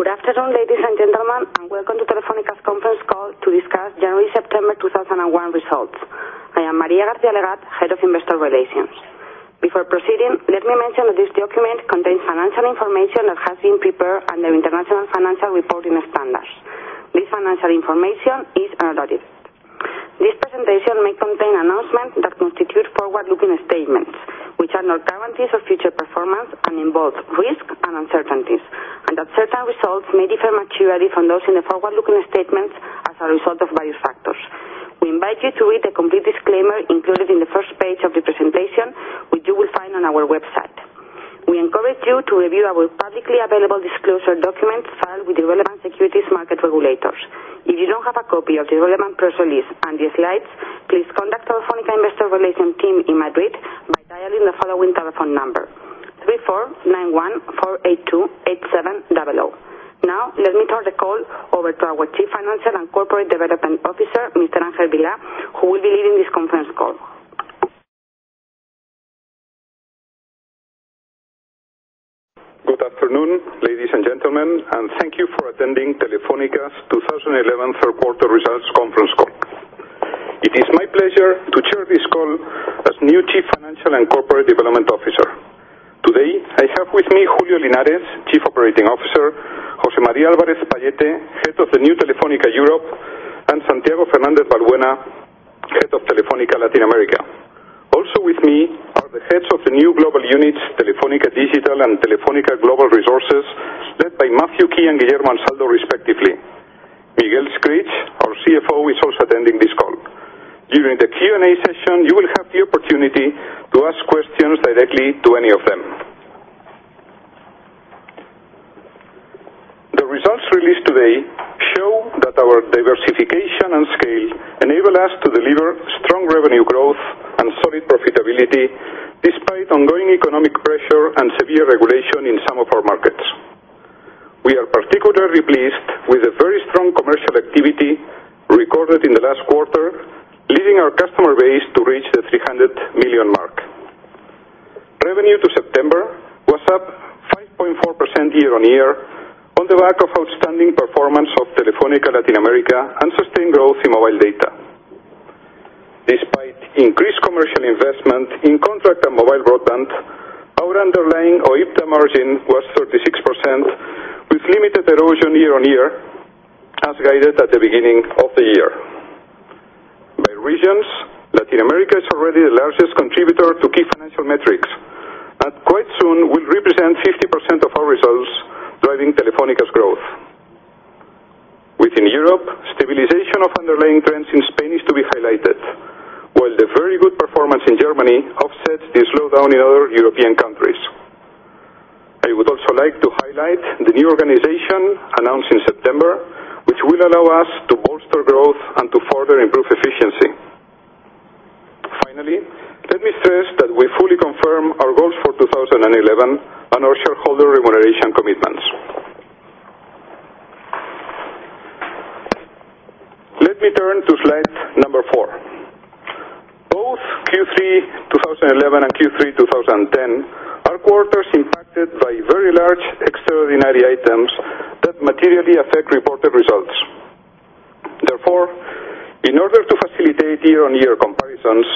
Good afternoon, ladies and gentlemen. Welcome to Telefónica's Conference Call to discuss January-September 2011 Results. I am María García-Legaz, Head of Investor Relations. Before proceeding, let me mention that this document contains financial information that has been prepared under International Financial Reporting Standards. This financial information is an analytics. This presentation may contain announcements that constitute forward-looking statements, which are not guarantees of future performance and involve risks and uncertainties, and that certain results may differ materially from those in the forward-looking statements as a result of various factors. We invite you to read the complete disclaimer included in the first page of the presentation, which you will find on our website. We encourage you to review our publicly available disclosure documents filed with the relevant securities market regulators. If you don't have a copy of the relevant press release and the slides, please contact Telefónica Investor Relations team in Madrid by dialing the following telephone number: +34 91 482 8700. Now, let me turn the call over to our Chief Financial and Corporate Development Officer, Mr. Ángel Vilá, who will be leading this conference call. Good afternoon, ladies and gentlemen, and thank you. It is my pleasure to chair this call as the new Chief Financial and Corporate Development Officer. Today, I have with me Julio Linares, Chief Operating Officer, José María Álvarez-Pallete, Head of the New Telefónica Europe, and Santiago Fernández Valbuena, Head of Telefónica Latin America. Also with me are the heads of the new global units, Telefónica Digital and Telefónica Global Resources, led by Matthew Key and Guillermo Ansaldo, respectively. Miguel Escrig, our CFO, is also attending this call. During the Q&A session, you will have the opportunity to ask questions directly to any of them. The results released today show that our diversification and scale enable us to deliver strong revenue growth and solid profitability despite ongoing economic pressure and severe regulation in some of our markets. We are particularly pleased with the very strong commercial activity recorded in the last quarter, leading our customer base to reach the 300 million mark. On the back of outstanding performance of Telefónica Latin America and sustained growth in mobile data, our underlying EBITDA margin was 36%, with limited erosion year on year, as guided at the beginning of the year. In regions, Latin America is already the largest contributor to key financial metrics, and quite soon will represent 50% of our results, driving Telefónica's growth. Within Europe, stabilization of underlying trends in Spain is to be highlighted, while the very good performance in Germany offsets the slowdown in other European countries. I would also like to highlight the new organization announced in September, which will allow us to bolster growth and to further improve efficiency. Finally, let me stress that we fully confirm our goals for 2011 and our shareholder remuneration commitments. Let me turn to slide number four. Both Q3 2011 and Q3 2010 are quarters impacted by very large extraordinary items that materially affect reported results. Therefore, in order to facilitate year on year comparisons,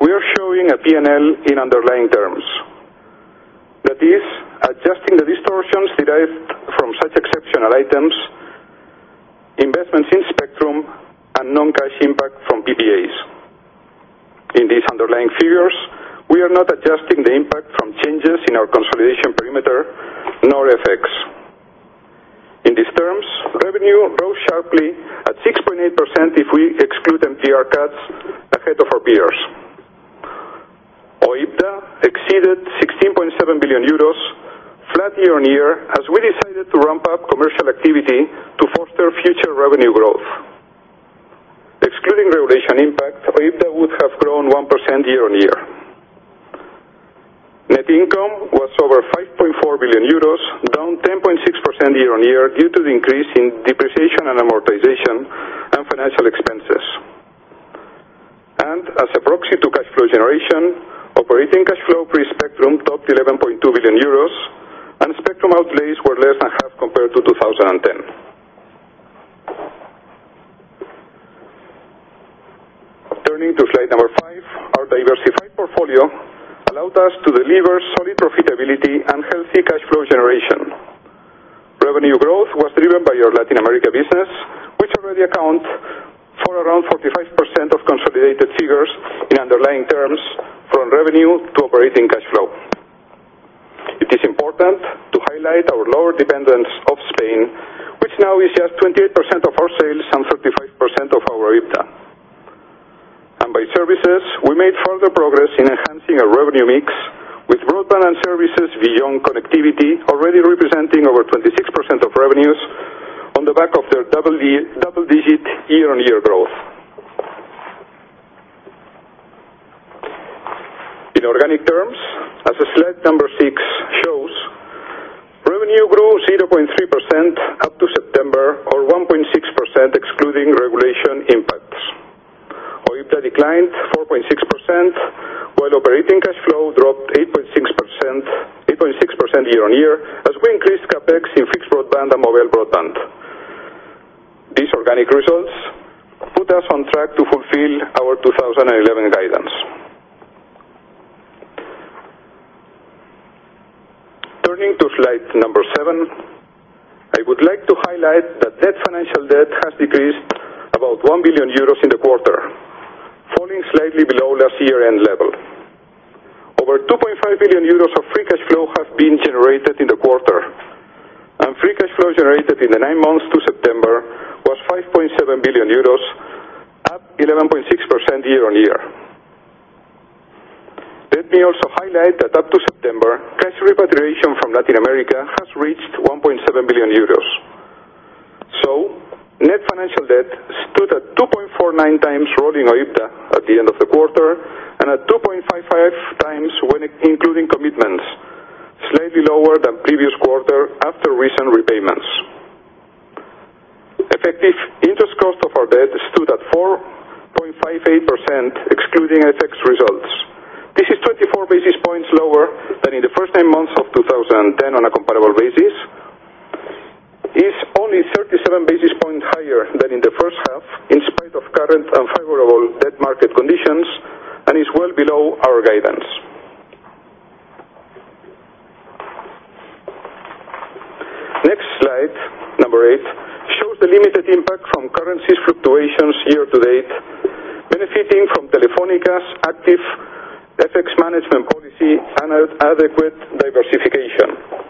we are showing a P&L in underlying terms. That is, adjusting the distortions derived from such exceptional items, investments in spectrum, and non-cash impact from PPAs. In these underlying figures, we are not adjusting the impact from changes in our consolidation perimeter nor effects. In these terms, revenue rose sharply at 6.8% if we exclude NPR cuts ahead of our peers. Our EBITDA exceeded 16.7 billion euros, flat year on year, as we decided to ramp up commercial activity to foster future revenue growth. Excluding regulation impacts, our EBITDA would have grown 1% year on year. Net income was over 5.4 billion euros, down 10.6% year on year due to the increase in depreciation and amortization and financial expenses. As a proxy to cash flow generation, operating cash flow pre-spectrum topped 11.2 billion euros, and spectrum outlays were less than half compared to 2010. Diversified portfolio allowed us to deliver solid profitability and healthy cash flow generation for around 45% of consolidated figures in underlying terms, from revenue to operating cash flow. It is important to highlight our lower dependence on Spain, which now is just 28% of our sales and 35% of our EBITDA. By services, we made further progress in enhancing our revenue mix with broadband and services beyond connectivity, already representing over 26% of revenues on the back of their double-digit year on year growth. In organic terms, as slide number six shows, revenue grew 0.3% up to September, or 1.6% excluding regulation impacts. Our EBITDA declined 4.6%, while operating cash flow dropped 8.6% year on year as we increased CapEx in fixed broadband and mobile broadband. These organic results put us on track to fulfill our 2011 guidance. Turning to slide number seven, I would like to highlight that net financial debt has decreased about 1 billion euros in the quarter, falling slightly below last year's end level. Over 2.5 billion euros of free cash flow have been generated in the quarter, and free cash flow generated in the nine months to September was 5.7 billion euros, up 11.6% year on year. Let me also highlight that up to September, cash repatriation from Latin America has reached 1.7 billion euros. Net financial debt stood at 2.49x rolling EBITDA at the end of the quarter and at 2.55x when including commitments, slightly lower than previous quarter after recent repayments. Effective interest cost of our debt stood at 4.58% excluding FX results. This is 24 basis points lower than in the first nine months of 2010 on a comparable basis, is only 37 basis points higher than in the first half in spite of current unfavorable debt market conditions, and is well below our guidance. Next slide, number eight, showed the limited impact from currency fluctuations year to date, benefiting from Telefónica's active FX management policy and adequate diversification.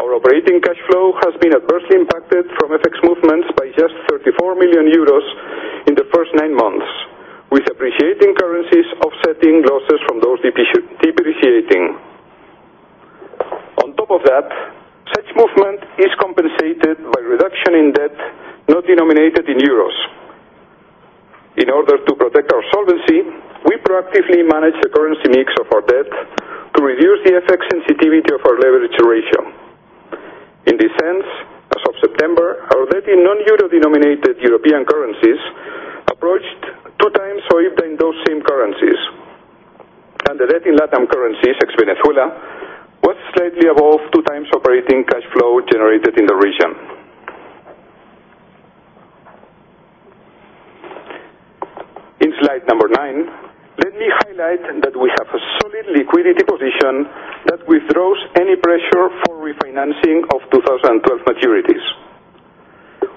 Our operating cash flow has been adversely impacted from FX movements by just 34 million euros in the first nine months, with appreciating currencies offsetting losses from those depreciating. On top of that, such movement is compensated by reduction in debt not denominated in euros. In order to protect our solvency, we proactively managed the currency mix of our debt to reduce the FX sensitivity of our leverage ratio. In this sense, as of September, our debt in non-euro denominated European currencies approached two times our EBITDA in those same currencies, and the debt in Latin currencies, ex Venezuela, was slightly above two times operating cash flow generated in the region. In slide number nine, let me highlight that we have a solid liquidity position that withdraws any pressure for refinancing of 2012 maturities.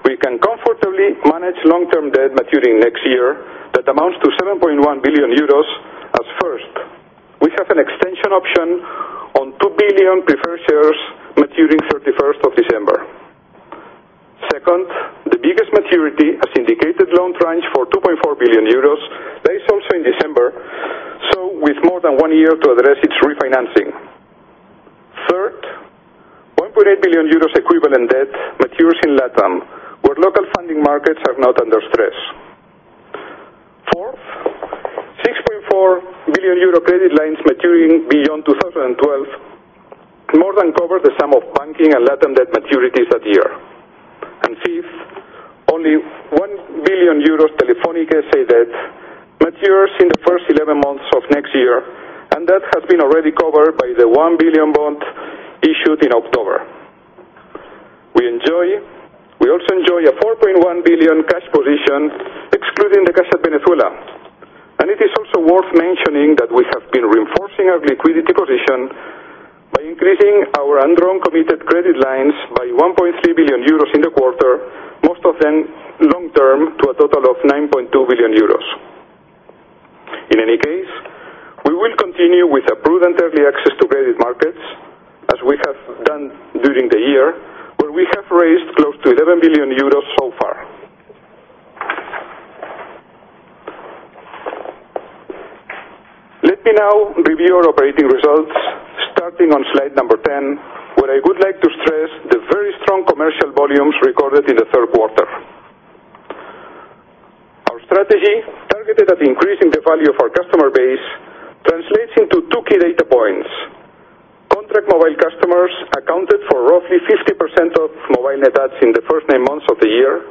We can comfortably manage long-term debt maturing next year that amounts to 7.1 billion euros as first. We have an extension option on 2 billion preferred shares maturing 31st of December. Second, the biggest maturity has indicated loan tranche for 2.4 billion euros that is also in December, with more than one year to address its refinancing. Third, 1.8 billion euros equivalent debt matures in Latam, where local funding markets are not under stress. Fourth, 6.4 billion euro credit lines maturing beyond 2012 more than cover the sum of banking and Latin debt maturities that year. Fifth, only 1 billion euros Telefónica debt matures in the first 11 months of next year, and that has been already covered by the 1 billion bond issued in October. We also enjoy a 4.1 billion cash position excluding the cash at Venezuela. It is also worth mentioning that we have been reinforcing our liquidity position by increasing our underwritten committed credit lines by 1.3 billion euros in the quarter, most of them long-term to a total of 9.2 billion euros. In any case, we will continue with a prudent early access to credit markets, as we have done during the year, where we have raised close to 11 billion euros so far. Let me now review our operating results, starting on slide number 10, where I would like to stress the very strong commercial volumes recorded in the third quarter. Our strategy targeted at increasing the value of our customer base translates into two key data points. Contract mobile customers accounted for roughly 50% of mobile net adds in the first nine months of the year,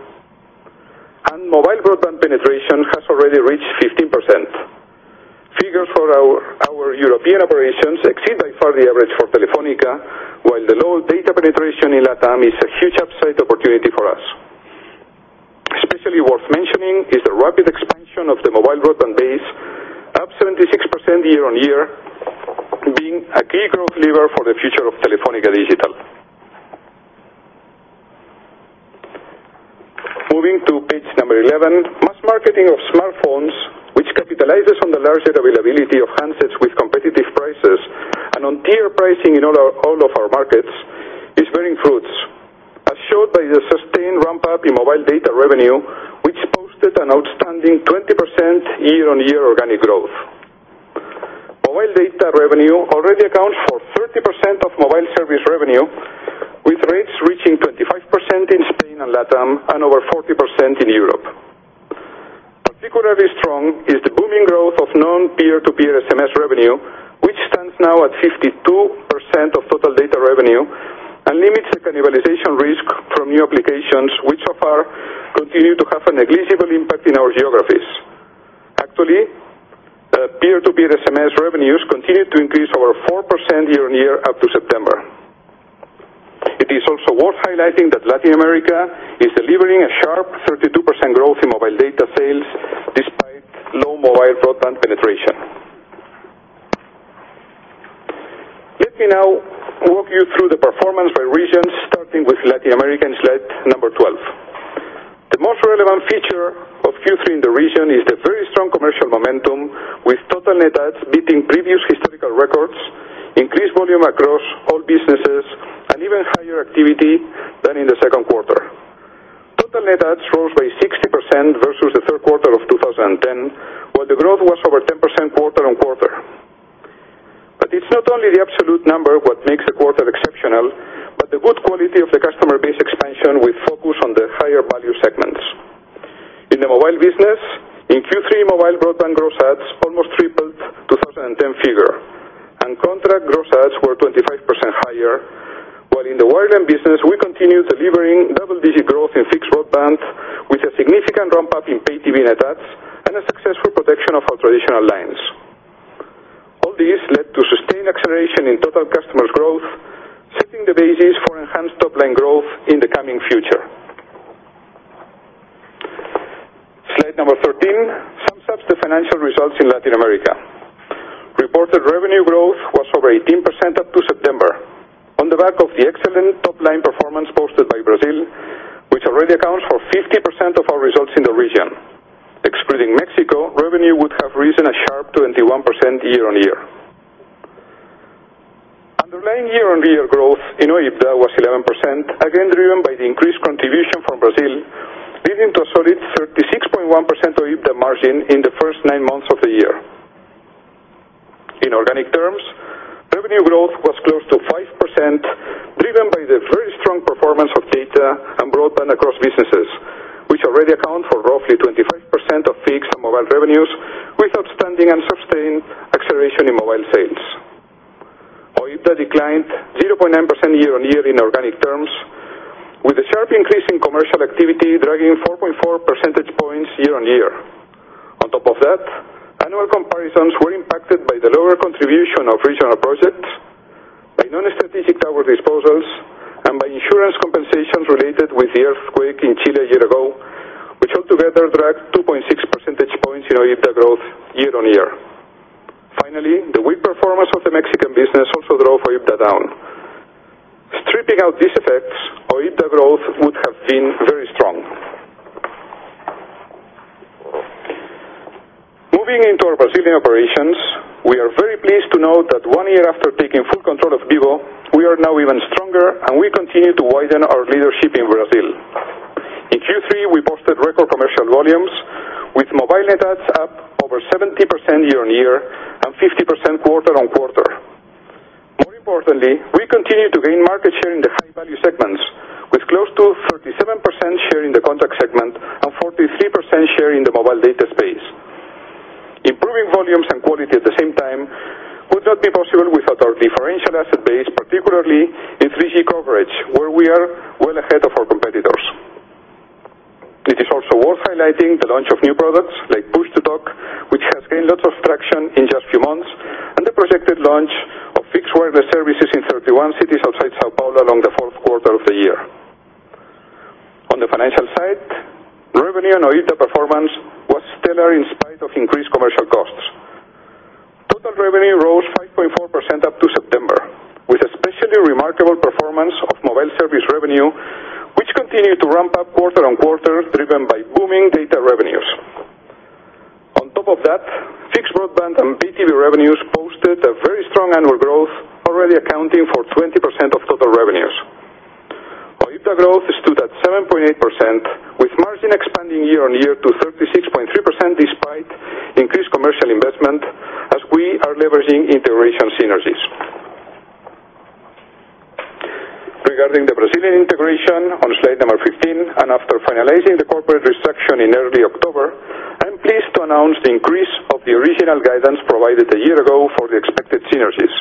and mobile broadband penetration has already reached 15%. Figures for our European operations exceed by far the average for Telefónica, while the low data penetration in Latin America is a huge upside opportunity for us. Especially worth mentioning is the rapid expansion of the mobile broadband base, up 76% year on year, being a key growth lever for the future of Telefónica Digital. Moving to page number 11, mass marketing of smartphones, which capitalizes on the larger availability of handsets with competitive prices and on tier pricing in all of our markets, is bearing fruits, as shown by the sustained ramp-up in mobile data revenue, which boosted an outstanding 20% year on year organic growth. Mobile data revenue already accounts for 30% in Latin America and over 40% in Europe. Particularly strong is the booming growth of non-peer-to-peer SMS revenue, which stands now at 52% of total data revenue and limits the cannibalization risk from new applications, which so far continue to have a negligible impact in our geographies. Actually, peer-to-peer SMS revenues continued to increase over 4% year on year up to September. It is also worth highlighting that Latin America is delivering a sharp 32% growth in mobile data sales despite low mobile broadband penetration. Let me now walk you through the performance by regions, starting with Latin America in slide number 12. The most relevant feature of Q3 in the region is the very strong commercial momentum, with total net adds beating previous historical records, increased volume across all businesses, and even higher activity than in the second quarter. Total net adds rose by 60% versus the third quarter of 2010, while the growth was over 10% quarter on quarter. It's not only the absolute number what makes the quarter exceptional, but the good quality of the customer base expansion with focus on the higher value segments. In the mobile business, in Q3, mobile broadband growth adds almost tripled the 2010 figure, and contract growth adds were 25% higher, while in the wireline business, we continued delivering double-digit growth in fixed broadband with a significant ramp-up in pay-TV net adds and a successful protection of our traditional lines. All these led to sustained acceleration in total customer growth, setting the basis for enhanced top-line growth in the coming future. Slide number 13 sets the financial results in Latin America. Reported revenue growth was over 18% up to September, on the back of the excellent top-line performance posted by Brazil, which already accounts for 50% of our results in the region. Excluding Mexico, revenue would have risen a sharp 21% year on year. Underlying year on year growth in EBITDA was 11%, again driven by the increased contribution from Brazil, leading to a solid 36.1% EBITDA margin in the first nine months of the year. In organic terms, revenue growth was close to 5%, driven by the very strong performance of data and broadband across businesses, which already account for roughly 25% of fixed and mobile revenues, with outstanding and sustained acceleration in mobile sales. Our EBITDA declined 0.9% year on year in organic terms, with a sharp increase in commercial activity dragging 4.4 percentage points year on year. On top of that, annual comparisons were impacted by the lower contribution of regional projects, non-strategic tower disposals, and by insurance compensations related with the earthquake in Chile a year ago, which altogether dragged 2.6 percentage points in EBITDA growth year on year. Stripping out these effects, our EBITDA growth would have been very strong. Moving into our Brazilian operations, we are very pleased to note that one year after taking full control of Vivo, we are now even stronger, and we continue to widen our leadership in Brazil. In Q3, we posted record commercial volumes, with mobile net adds up over 70% year on year and 50% quarter on quarter. More importantly, we continue to gain market share in the high-value segments, with close to 37% share in the contract segment and 43% share in the mobile data space. Improving volumes and quality at the same time would not be possible without our differential asset base, particularly in 3G coverage, where we are well ahead of our competitors. It is also worth highlighting the launch of new products like Push to Talk, which has gained lots of traction in just a few months, and the projected launch of fixed wireless services. On the financial side, revenue and EBITDA performance were stellar in spite of increased commercial costs. Total revenue rose 5.4% up to September, with especially remarkable performance of mobile service revenue, which continued to ramp up quarter on quarter, driven by booming data revenues. On top of that, fixed broadband and pay-TV revenues posted a very strong annual growth, already accounting for 20% of total revenues. Our EBITDA growth stood at 7.8%, with margin expanding year on year to 36.3% despite increased commercial investment, as we are leveraging integration synergies. Regarding the... In early October, I'm pleased to announce the increase of the original guidance provided a year ago for the expected synergies.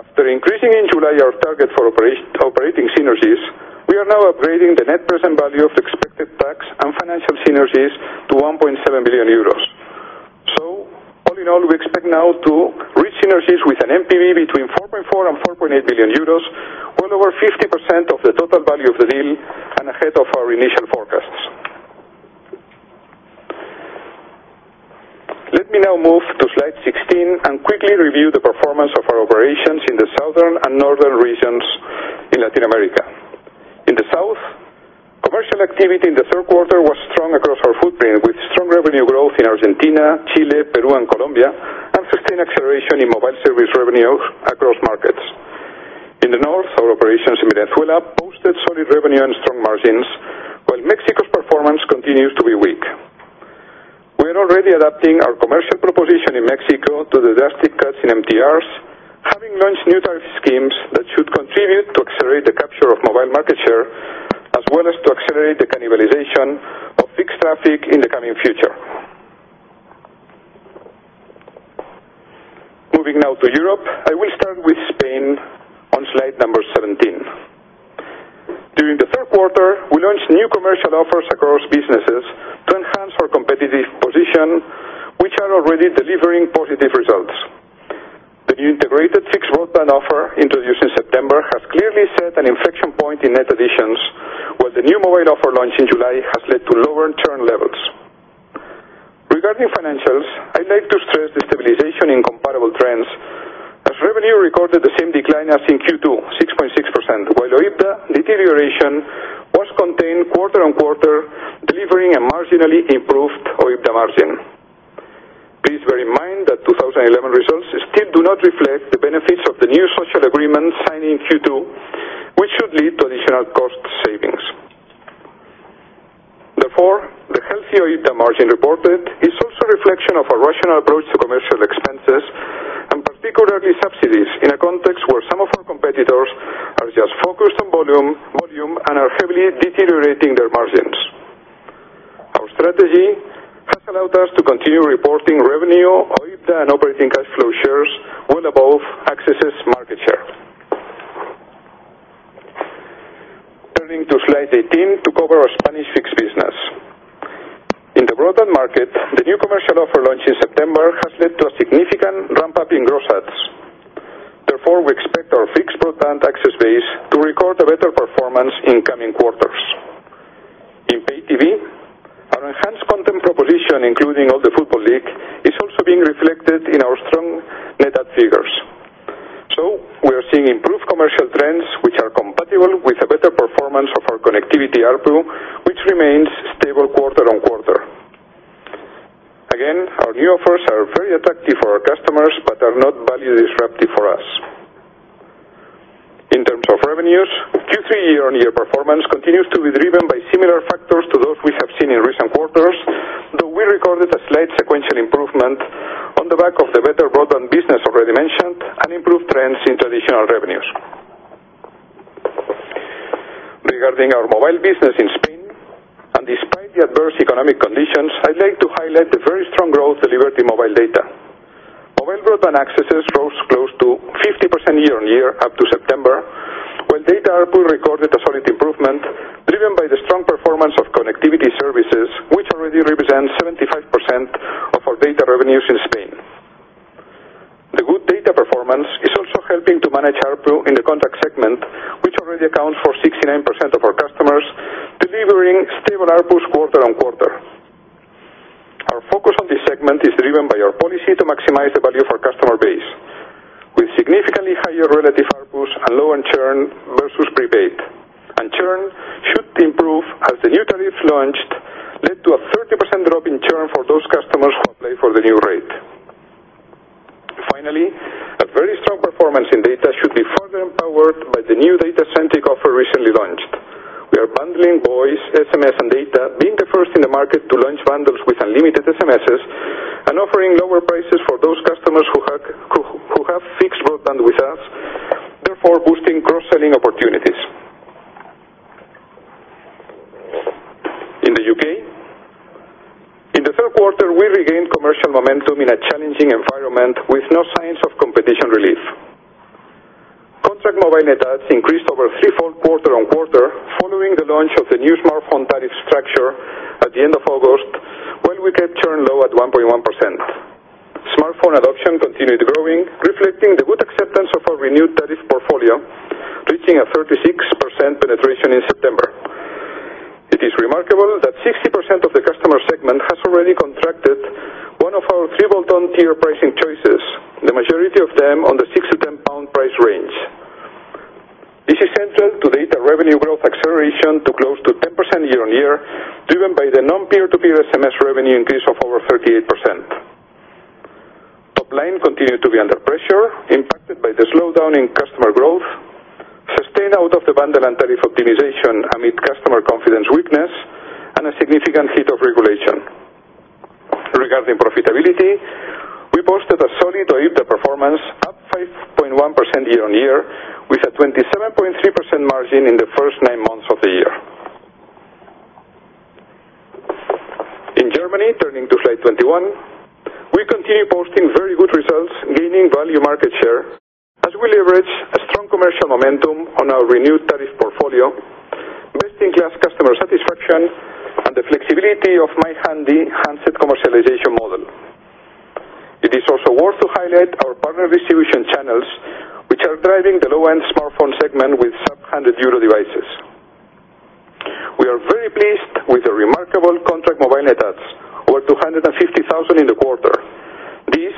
After increasing in July our target for operating synergies, we are now upgrading the net present value of expected tax and financial synergies to 1.7 billion euros. All in all, we expect now to reach synergies with an NPV between 4.4 billion and 4.8 billion euros, well over 50% of the total value of the deal and ahead of our initial forecasts. Let me now move to slide 16 and quickly review the performance of our operations in the southern and northern regions in Latin America. In the south, commercial activity in the third quarter was strong across our footprint, with strong revenue growth in Argentina, Chile, Peru, and Colombia, and sustained acceleration in mobile service revenue across markets. In the north, our operations in Venezuela boosted solid revenue and strong margins, while Mexico's performance continues to be weak. We are already adapting our commercial proposition in Mexico to the drastic cuts in MTRs, having launched new tariff schemes that should contribute to accelerate the capture of mobile market share, as well as to accelerate the cannibalization of fixed traffic in the coming future. Moving now to Europe, I will start with Spain on slide number 17. During the third quarter, we launched new commercial offers across businesses to enhance our competitive position, which are already delivering positive results. The new integrated fixed broadband offer introduced in September has clearly set an inflection point in net additions, while the new mobile offer launched in July has led to lower churn levels. As revenue recorded the same decline as in Q2, 6.6%, while EBITDA deterioration was contained quarter on quarter, delivering a marginally improved EBITDA margin. Please bear in mind that 2011 results still do not reflect the benefits of the new social agreement signed in Q2, which should lead to additional cost savings. Therefore, the healthy EBITDA margin reported is also a reflection of our rational approach to commercial expenses, and particularly subsidies, in a context where some of our competitors are just focused on volume and are heavily deteriorating their margins. Our strategy has allowed us to continue reporting revenue, EBITDA, and operating cash flow shares well above accesses market share. Turning to slide 18 to cover our Spanish fixed business. In the broadband market, the new commercial offer launched in September has led to a significant ramp-up in gross adds. Therefore, we expect our fixed broadband access base to record a better performance. Our enhanced content proposition, including all the football league, is also being reflected in our strong net add figures. We are seeing improved commercial trends, which are compatible with a better performance of our connectivity ARPU, which remains stable quarter on quarter. Again, our new offers are very attractive for our customers, but are not value disruptive for us. In terms of revenues, Q3 year on year performance continues to be driven by similar factors to those we have seen in recent quarters, though we recorded a slight sequential improvement on the back of the better broadband business already mentioned and improved trends in traditional revenues. Regarding our mobile business in Spain, and despite the adverse economic conditions, I'd like to highlight the very strong growth delivered in mobile data. Mobile broadband accesses rose close to 50% year on year up to September, while data ARPU recorded a solid improvement, driven by the strong performance of connectivity services, which already represents 75% of our data revenues in Spain. The good data performance is also helping to manage ARPU in the contract segment, which already accounts for 69% of our customers, delivering stable ARPUs quarter on quarter. Our focus on this segment is driven by our policy to maximize the value of our customer base, with significantly higher relative ARPUs and lower churn versus prepaid. Churn should improve as the new tariffs launched led to a 30% drop in churn for those customers who applied for the new rate. Finally, a very strong performance in data should be further empowered by the new data-centric offer recently launched. We are bundling voice, SMS, and data, being the first in the market to launch bundles with unlimited SMS and offering lower prices for those customers who have fixed broadband with us, therefore boosting cross-selling opportunities. In the U.K., in the third quarter, we regained commercial momentum in a challenging environment with no signs of competition relief. Contract mobile net adds increased over three-fold quarter on quarter following the launch of the new smartphone tariff structure at the end of August, while we kept churn low at 1.1%. Smartphone adoption continued growing, reflecting the good acceptance of our renewed tariff portfolio, reaching a 36% penetration in September. It is remarkable that 60% of the customer segment has already contracted one of our triple-ton tier pricing choices, the majority of them in the 6 to 10 pound price range. This is central to data revenue growth acceleration to close to 10% year on year, driven by the non-peer-to-peer SMS revenue increase of over 38%. Offline continued to be under pressure, impacted by the slowdown in customer growth, sustained out-of-the-bundle and tariff optimization amid customer confidence weakness, and a significant hit of regulation. Regarding profitability, we posted a solid EBITDA performance up 5.1% year on year, with a 27.3% margin in the first nine months of the year. In Germany, turning to slide 21, we continue posting very good results, gaining value market share, as we leverage a strong commercial momentum on our renewed tariff portfolio, boosting customer satisfaction and the flexibility of my handy handset commercialization model. It is also worth highlighting our partner distribution channels, which are driving the low-end smartphone segment with sub-EUR 100 devices. We are very pleased with the remarkable contract mobile net adds, over 250,000 in the quarter. This,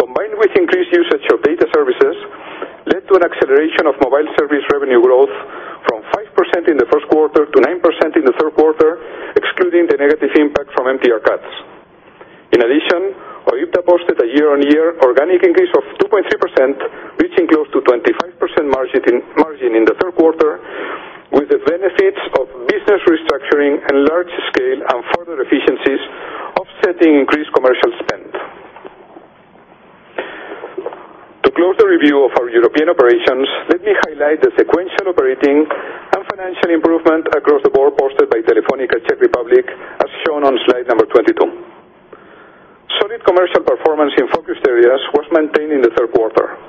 combined with increased usage of data services, led to an acceleration of mobile service revenue growth from 5% in the First Quarter to 9% in the third quarter, excluding the negative impact from MTR cuts. In addition, EBITDA posted a year on year organic increase of 2.3%, reaching close to 25% margin in the third quarter, with the benefits of business restructuring and large scale and further efficiencies offsetting increased commercial spend. To close the review of our European operations, let me highlight the sequential operating and financial improvement across the board posted by Telefónica Czech Republic, as shown on slide number 22. Solid commercial performance in focused areas was maintained in the third quarter.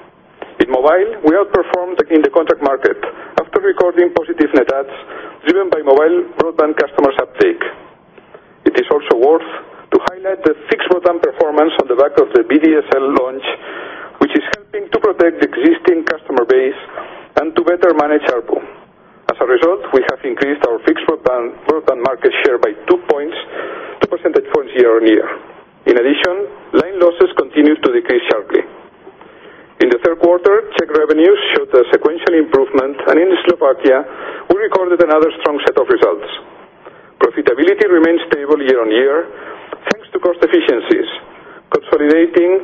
In mobile, we outperformed in the contract market after recording positive net adds driven by mobile broadband customers' uptake. It is also worth highlighting the fixed broadband performance on the back of the BDSL launch, which is helping to protect the existing customer base and to better manage ARPU. As a result, we have increased our fixed broadband market share by 2 points, 2% year on year. In addition, line losses continue to decrease sharply. In the third quarter, Czech revenues showed a sequential improvement, and in Slovakia, we recorded another strong set of results. Profitability remains stable year on year, thanks to cost efficiencies, consolidating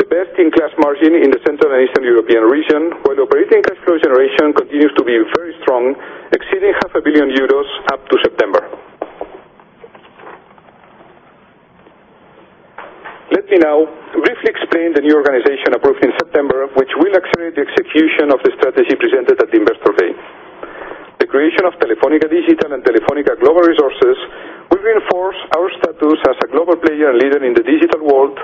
the best-in-class margin in the Central and Eastern European region, while operating cash flow generation continues to be very strong, exceeding half a billion euros up to September. Let me now briefly explain the new organization approved in September, which will accelerate the execution of the strategy presented at the investor days. The creation of Telefónica Digital and Telefónica Global Resources will reinforce our status as a global player and leader in the digital world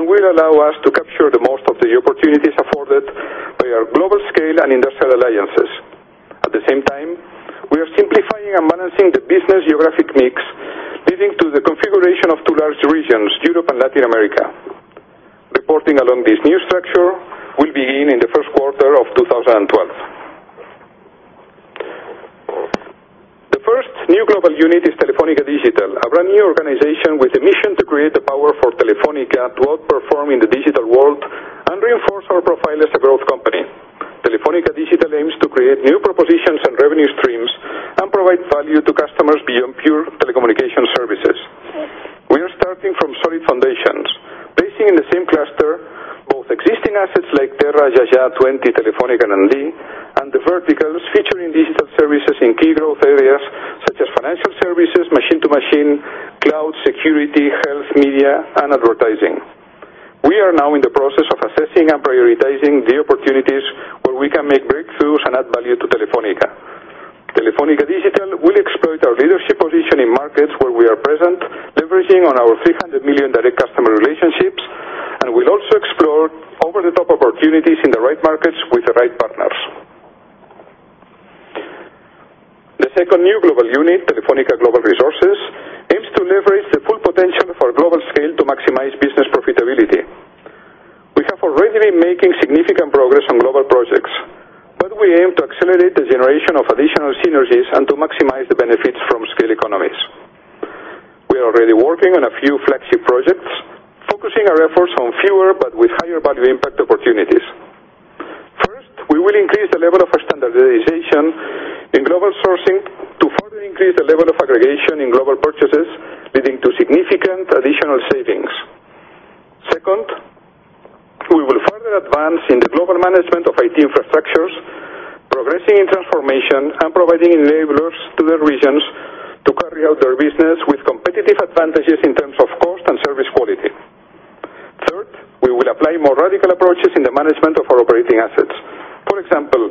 and will allow us to capture the most of the opportunities afforded by our global scale and industrial alliances. At the same time, we are simplifying and balancing the business geographic mix, leading to the configuration of two large regions, Europe and Latin America. Reporting along this new structure will begin in the First Quarter of 2012. The first new global unit is Telefónica Digital, a brand new organization with a mission to create the power for Telefónica to outperform in the digital world and reinforce our profile as a growth company. Telefónica Digital aims to create new propositions and revenue streams and provide value to customers beyond pure telecommunications services. We are starting from solid foundations, basing in the same cluster both existing assets like Terra, Jajah, Tuenti, Telefónica R&D, and the verticals featuring digital services in key growth areas such as financial services, machine-to-machine, cloud, security, health, media, and advertising. We are now in the process of assessing and prioritizing the opportunities where we can make breakthroughs and add value to Telefónica. Telefónica Digital will exploit our leadership position in markets where we are present, leveraging on our 300 million direct customer relationships, and will also explore over-the-top opportunities in the right markets with the right partners. The second new global unit, Telefónica Global Resources, aims to leverage the full potential of our global scale to maximize business profitability. We have already been making significant progress on global projects, but we aim to accelerate the generation of additional synergies and to maximize the benefits from scale economies. We are already working on a few flagship projects, focusing our efforts on fewer but with higher value impact opportunities. First, we will increase the level of standardization in global sourcing to further increase the level of aggregation in global purchases, leading to significant additional savings. Second, we will further advance in the global management of IT infrastructures, progressing in transformation and providing enablers to the regions to carry out their business with competitive advantages in terms of cost and service quality. Third, we will apply more radical approaches in the management of our operating assets. For example,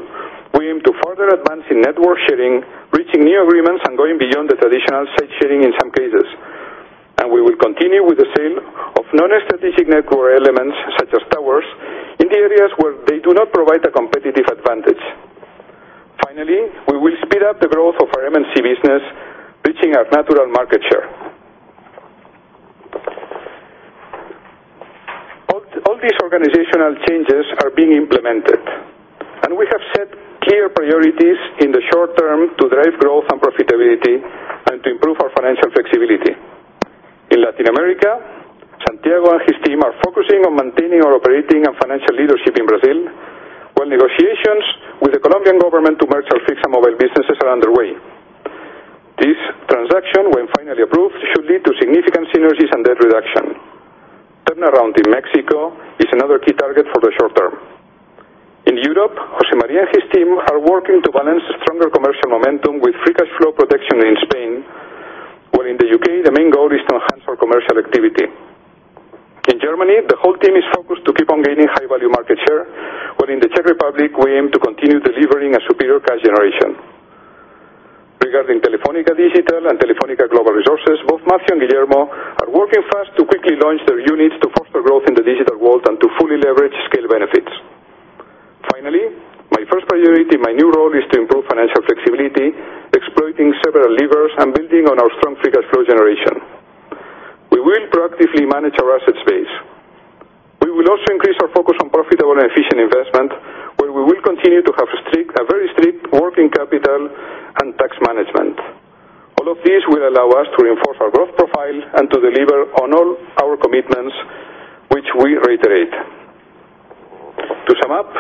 we aim to further advance in network sharing, breaching new agreements, and going beyond the traditional site sharing in some cases. We will continue with the sale of non-strategic network elements such as towers in the areas where they do not provide a competitive advantage. Finally, we will speed up the growth of our M&C business, reaching our natural market share. Clear priorities in the short term to drive growth and profitability and to improve our financial flexibility. In Latin America, Santiago and his team are focusing on maintaining our operating and financial leadership in Brazil, while negotiations with the Colombian government to merge our fixed and mobile businesses are underway. This transaction, when finally approved, should lead to significant synergies and debt reduction. Turnaround in Mexico is another key target for the short term. In Europe, José María and his team are working to balance stronger commercial momentum with free cash flow protection in Spain, while in the U.K., the main goal is to enhance our commercial activity. In Germany, the whole team is focused to keep on gaining high-value market share, while in the Czech Republic, we aim to continue delivering a superior cash generation. Regarding Telefónica Digital and Telefónica Global Resources, both Matthew and Guillermo are working fast to quickly launch their units to foster growth in the digital world and to fully leverage scale benefits. Finally, my first priority in my new role is to improve financial flexibility, exploiting several levers and building on our strong free cash flow generation. We will proactively manage our asset space. We will also increase our focus on profitable and efficient investment, where we will continue to have a very strict working capital and tax management. All of these will allow us to reinforce our growth profile and to deliver on all our commitments, which we reiterate. To sum up,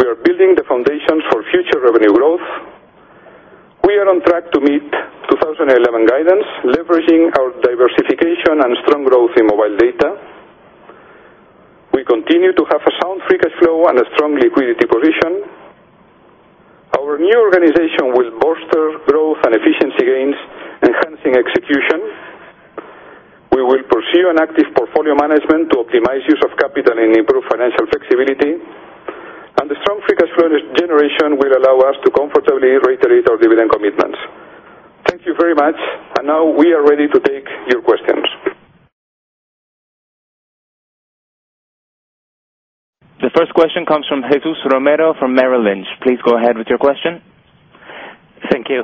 we are building the foundations for future revenue growth. We are on track to meet 2011 guidance, leveraging our diversification and strong growth in mobile data. We continue to have a sound free cash flow and a strong liquidity position. Our new organization will bolster growth and efficiency gains, enhancing execution. We will pursue an active portfolio management to optimize use of capital and improve financial flexibility. The strong free cash flow generation will allow us to comfortably reiterate our dividend commitments. Thank you very much. Now we are ready to take your questions. The first question comes from Jesús Romero from Merrill Lynch. Please go ahead with your question. Thank you.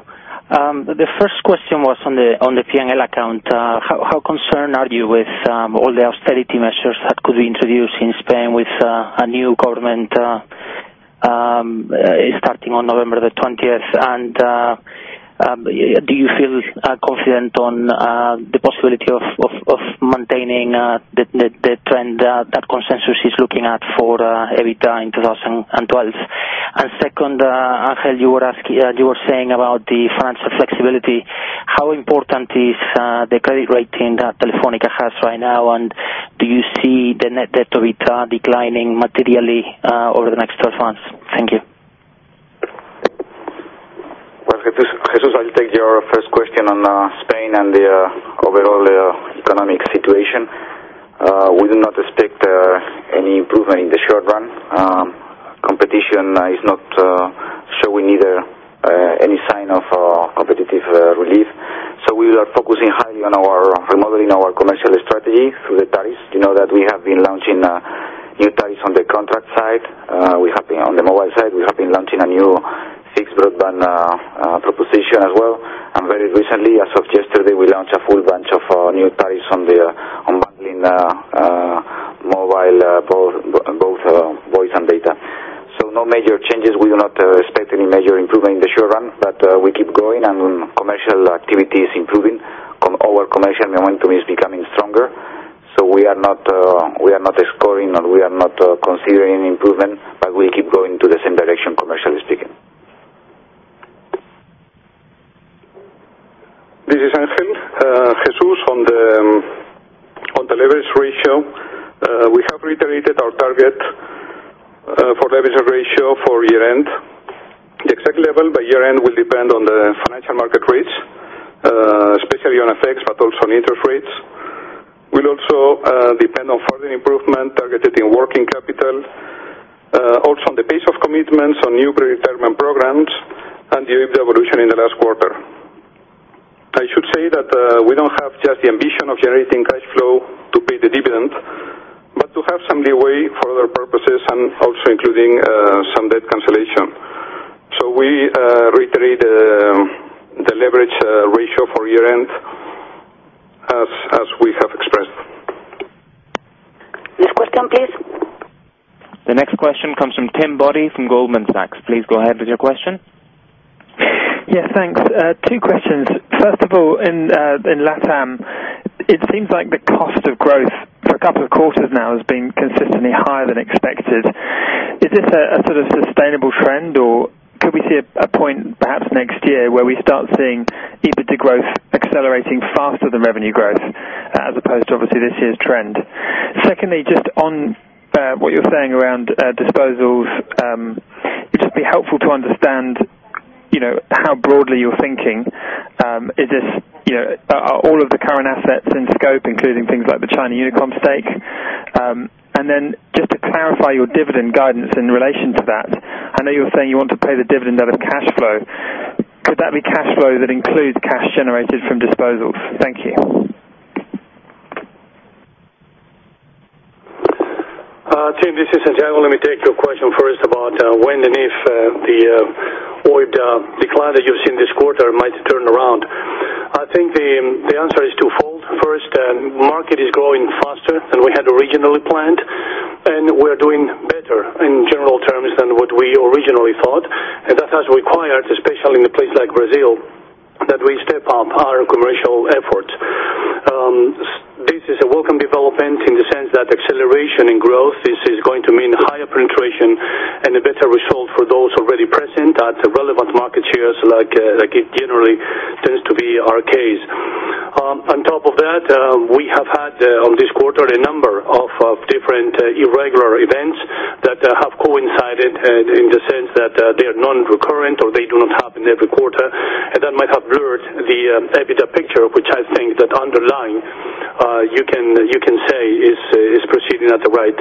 The first question was on the P&L account. How concerned are you with all the austerity measures that could be introduced in Spain with a new government starting on November 20th, 2011? Do you feel confident on the possibility of maintaining the trend that consensus is looking at for EBITDA in 2012? Ángel, you were saying about the financial flexibility. How important is the credit rating that Telefónica has right now? Do you see the net debt to EBITDA declining materially over the next 12 months? Thank you. I'll take your first question on Spain and the overall economic situation. We do not expect any improvement in the short run. Competition is not showing any sign of competitive relief. We are focusing highly on our remodeling of our commercial strategy through the tariffs. You know that we have been launching new tariffs on the contract side. On the mobile side, we have been launching a new fixed broadband proposition as well. Very recently, as of yesterday, we launched a full bunch of new tariffs on the mobile, both voice and data. No major changes. We do not expect any major improvement in the short run, but we keep growing and commercial activity is improving. Our commercial momentum is becoming stronger. We are not scoring or considering any improvement, but we keep going in the same direction, commercially speaking. This is Ángel. Jesús, on the leverage ratio, we have reiterated our target for leverage ratio for year-end. The exact level by year-end will depend on the financial market rates, especially on FX, but also on interest rates. It will also depend on further improvement targeted in working capital, also on the pace of commitments on new predetermined programs and the EBITDA evolution in the last quarter. I should say that we don't have just the ambition of generating cash flow to pay the dividend, but to have some leeway for other purposes and also including some debt cancellation. We reiterate the leverage ratio for year-end as we have expressed. Next question, please. The next question comes from Tim Boddy from Goldman Sachs. Please go ahead with your question. Yes, thanks. Two questions. First of all, in LatAm, it seems like the cost of growth for a couple of quarters now has been consistently higher than expected. Is this a sort of sustainable trend, or could we see a point perhaps next year where we start seeing EBITDA growth accelerating faster than revenue growth as opposed to, obviously, this year's trend? Secondly, just on what you're saying around disposals, it would just be helpful to understand how broadly you're thinking. Is this, you know, are all of the current assets in scope, including things like the China Unicom stake? And then just to clarify your dividend guidance in relation to that, I know you're saying you want to pay the dividend out of cash flow. Would that be cash flow that includes cash generated from disposals? Thank you. Tim, this is Santiago. Let me take your question first about when and if the EBITDA decline that you've seen this quarter might turn around. I think the answer is twofold. First, the market is growing faster than we had originally planned, and we are doing better in general terms than what we originally thought. That has required, especially in a place like Brazil, that we step up our commercial efforts. This is a welcome development in the sense that acceleration in growth is going to mean higher penetration and a better result for those already present at relevant market shares like it generally tends to be our case. On top of that, we have had on this quarter a number of different irregular events that have coincided in the sense that they are non-recurrent or they do not happen every quarter. That might have blurred the EBITDA picture, which I think that underlying you can say is proceeding at the right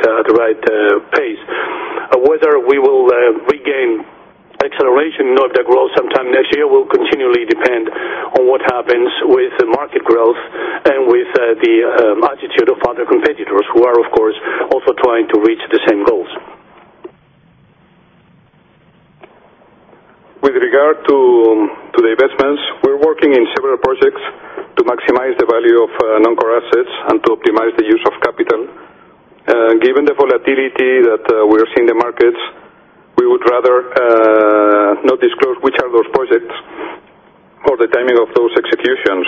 pace. Whether we will regain acceleration in EBITDA growth sometime next year will continually depend on what happens with market growth and with the attitude of other competitors who are, of course, also trying to reach the same goals. With regard to the investments, we're working in several projects to maximize the value of non-core assets and to optimize the use of capital. Given the volatility that we are seeing in the markets, we would rather not disclose which are those projects or the timing of those executions.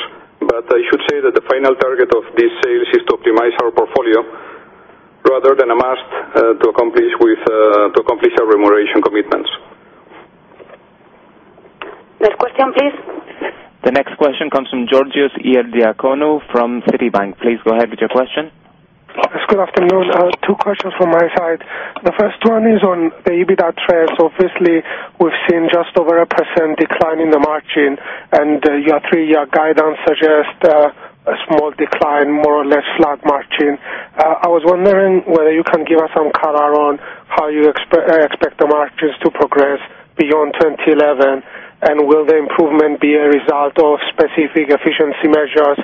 I should say that the final target of these sales is to optimize our portfolio rather than a must to accomplish our remuneration commitments. Next question, please. The next question comes from Georgios Ierodiaconou from Citibank. Please go ahead with your question. Yes, good afternoon. Two questions from my side. The first one is on the EBITDA trends. Obviously, we've seen just over a 1% decline in the margin, and your three-year guidance suggests a small decline, more or less flat margin. I was wondering whether you can give us some color on how you expect the margins to progress beyond 2011, and will the improvement be a result of specific efficiency measures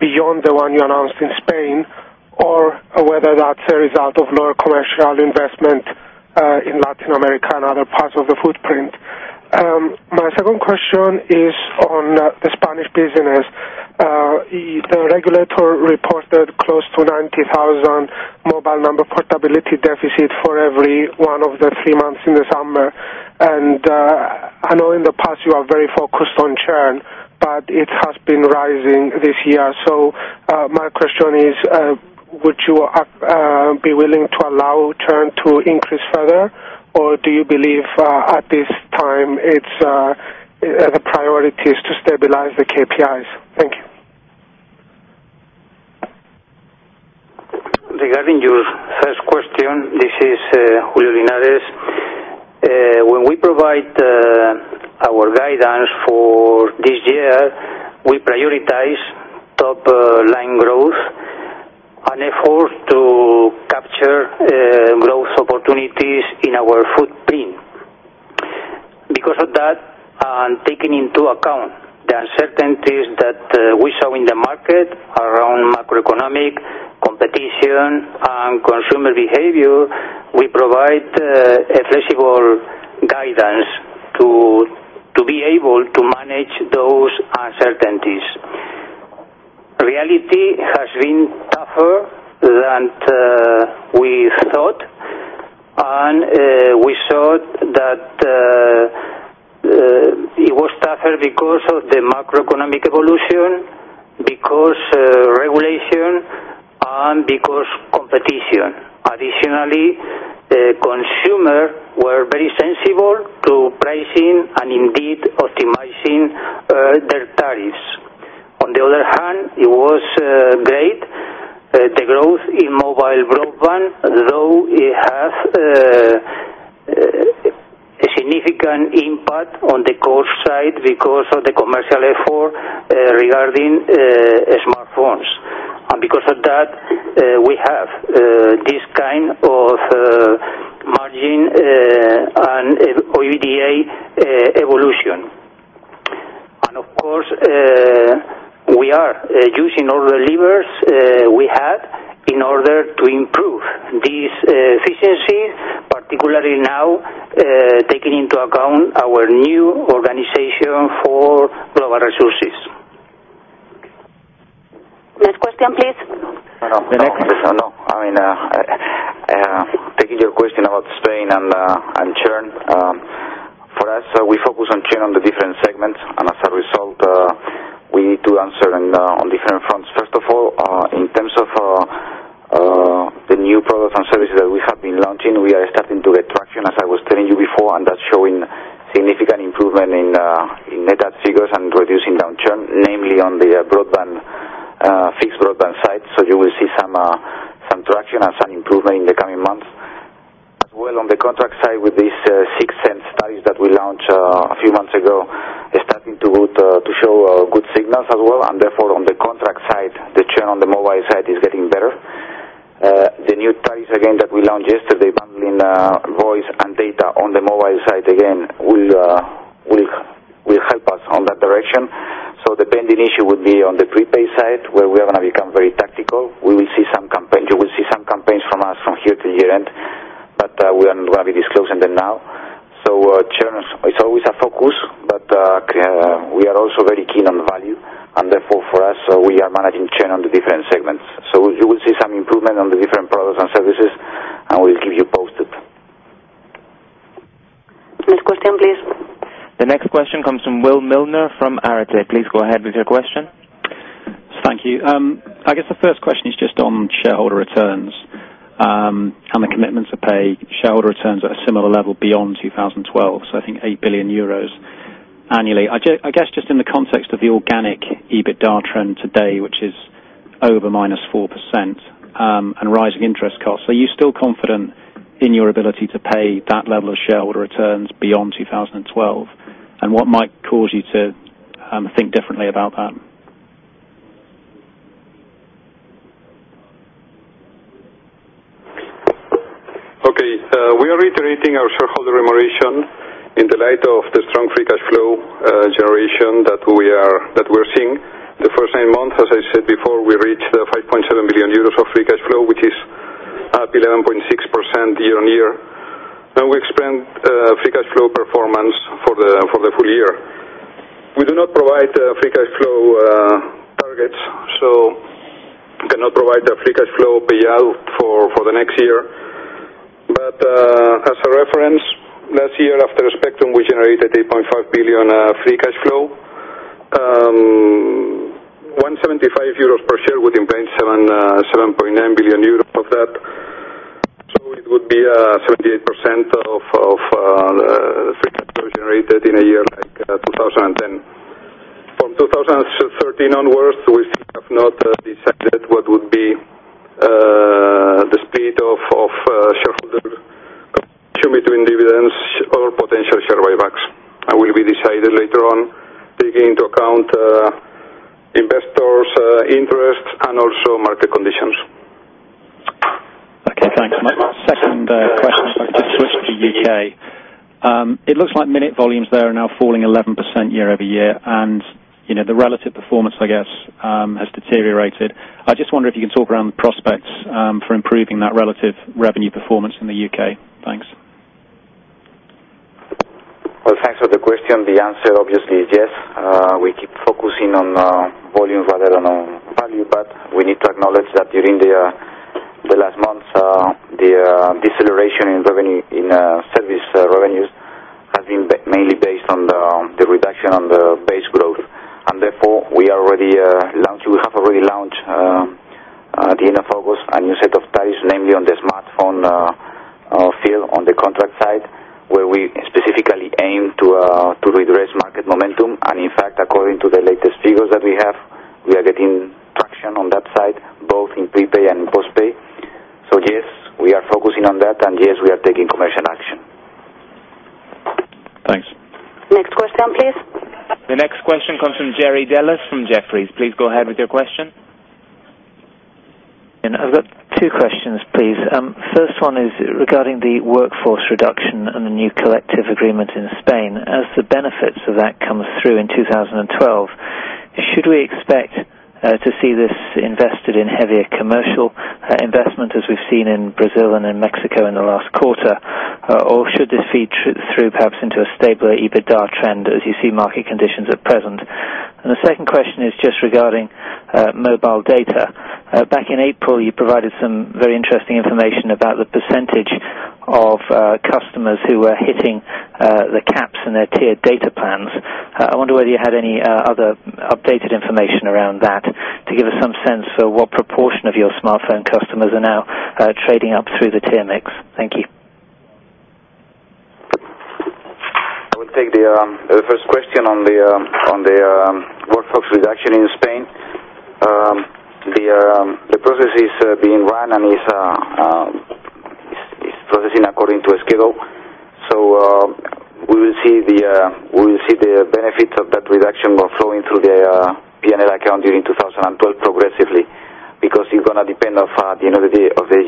beyond the one you announced in Spain, or whether that's a result of lower commercial investment in Latin America and other parts of the footprint? My second question is on the Spanish business. The regulator reported close to 90,000 mobile number portability deficits for every one of the three months in the summer. I know in the past you are very focused on churn, but it has been rising this year. My question is, would you be willing to allow churn to increase further, or do you believe at this time the priority is to stabilize the KPIs? Thank you. First question, this is Julio Linares. When we provide our guidance for this year, we prioritize top-line growth and efforts to capture growth opportunities in our footprint. Because of that, and taking into account the uncertainties that we saw in the market around macroeconomic competition and consumer behavior, we provide a flexible guidance to be able to manage those uncertainties. Reality has been tougher than we thought, and we thought that it was tougher because of the macroeconomic evolution, because of regulation, and because of competition. Additionally, consumers were very sensible. On the other hand, it was great, the growth in mobile broadband, though it has a significant impact on the core site because of the commercial effort regarding smartphones. Because of that, we have this kind of margin and EBITDA evolution. Of course, we are using all the levers we had in order to improve this efficiency, particularly now taking into account our new organization for global resources. Next question, please. No, no. The next question, no. I mean, taking your question about Spain and churn. For us, we focus on churn on the different segments, and as a result, we need to answer on different fronts. First of all, in terms of the new products and services that we have been launching, we are starting to get traction, as I was telling you before, and that's showing significant improvement in net add figures and reducing down churn, namely on the fixed broadband side. You will see some traction and some improvement in the coming months. On the contract side, with these sixth sense studies that we launched a few months ago, starting to show good signals as well. Therefore, on the contract side, the churn on the mobile side is getting better. The new studies again that we launched yesterday bundling voice and data on the mobile side again will help us in that direction. The pending issue would be on the prepaid side, where we are going to become very tactical. We will see some campaigns. You will see some campaigns from us from here to year-end, but we are not going to be disclosing them now. Churn is always a focus, but we are also very keen on value. Therefore, for us, we are managing churn on the different segments. You will see some improvement on the different products and services, and we'll keep you posted. Next question, please. The next question comes from Will Milner from Arete. Please go ahead with your question. Thank you. I guess the first question is just on shareholder returns. The commitments are to pay shareholder returns at a similar level beyond 2012, so I think 8 billion euros annually. I guess just in the context of the organic EBITDA trend today, which is over -4% and rising interest costs, are you still confident in your ability to pay that level of shareholder returns beyond 2012? What might cause you to think differently about that? Okay. We are reiterating our shareholder remuneration in the light of the strong free cash flow generation that we are seeing. The first nine months, as I said before, we reached 5.7 billion euros of free cash flow, which is up 11.6% year on year. We explained free cash flow performance for the full year. We do not provide free cash flow targets, so we cannot provide a free cash flow payout for the next year. As a reference, last year, after spectrum, we generated 8.5 billion free cash flow, 1.75 euros per share within 27.9 billion euros of that, which would be 78% of the free cash flow generated in a year like 2010. From 2013 onwards, we have not decided what would be the speed of shareholder share between dividends or potential share buybacks. That will be decided later on, taking into account investors' interests and also market conditions. Okay, thanks. My second question is about the U.K. It looks like minute volumes there are now falling 11% year-over-year, and you know the relative performance, I guess, has deteriorated. I just wonder if you can talk around the prospects for improving that relative revenue performance in the U.K. Thanks. Thank you for the question. The answer, obviously, is yes. We keep focusing on volumes rather than on value, but we need to acknowledge that during the last months, the deceleration in service revenues has been mainly based on the reduction in the base growth. Therefore, we are already launching, we have already launched at the end of August a new set of tariffs, namely on the smartphone field on the contract side, where we specifically aim to redress market momentum. In fact, according to the latest figures that we have, we are getting traction on that side, both in prepay and in postpay. Yes, we are focusing on that, and yes, we are taking commercial action. Thanks. Next question, please. The next question comes from Jerry Dellis from Jefferies. Please go ahead with your question. I've got two questions, please. The first one is regarding the workforce reduction and the new collective agreement in Spain. As the benefits of that come through in 2012, should we expect to see this invested in heavier commercial investment as we've seen in Brazil and in Mexico in the last quarter, or should this feed through perhaps into a stabler EBITDA trend as you see market conditions at present? The second question is just regarding mobile data. Back in April, you provided some very interesting information about the percentage of customers who were hitting the caps in their tiered data plans. I wonder whether you had any other updated information around that to give us some sense for what proportion of your smartphone customers are now trading up through the tier mix. Thank you. I will take the first question on the workforce reduction in Spain. The process is being run and is processing according to a schedule. We will see the benefits of that reduction flowing through the P&L account during 2012 progressively, because it's going to depend on the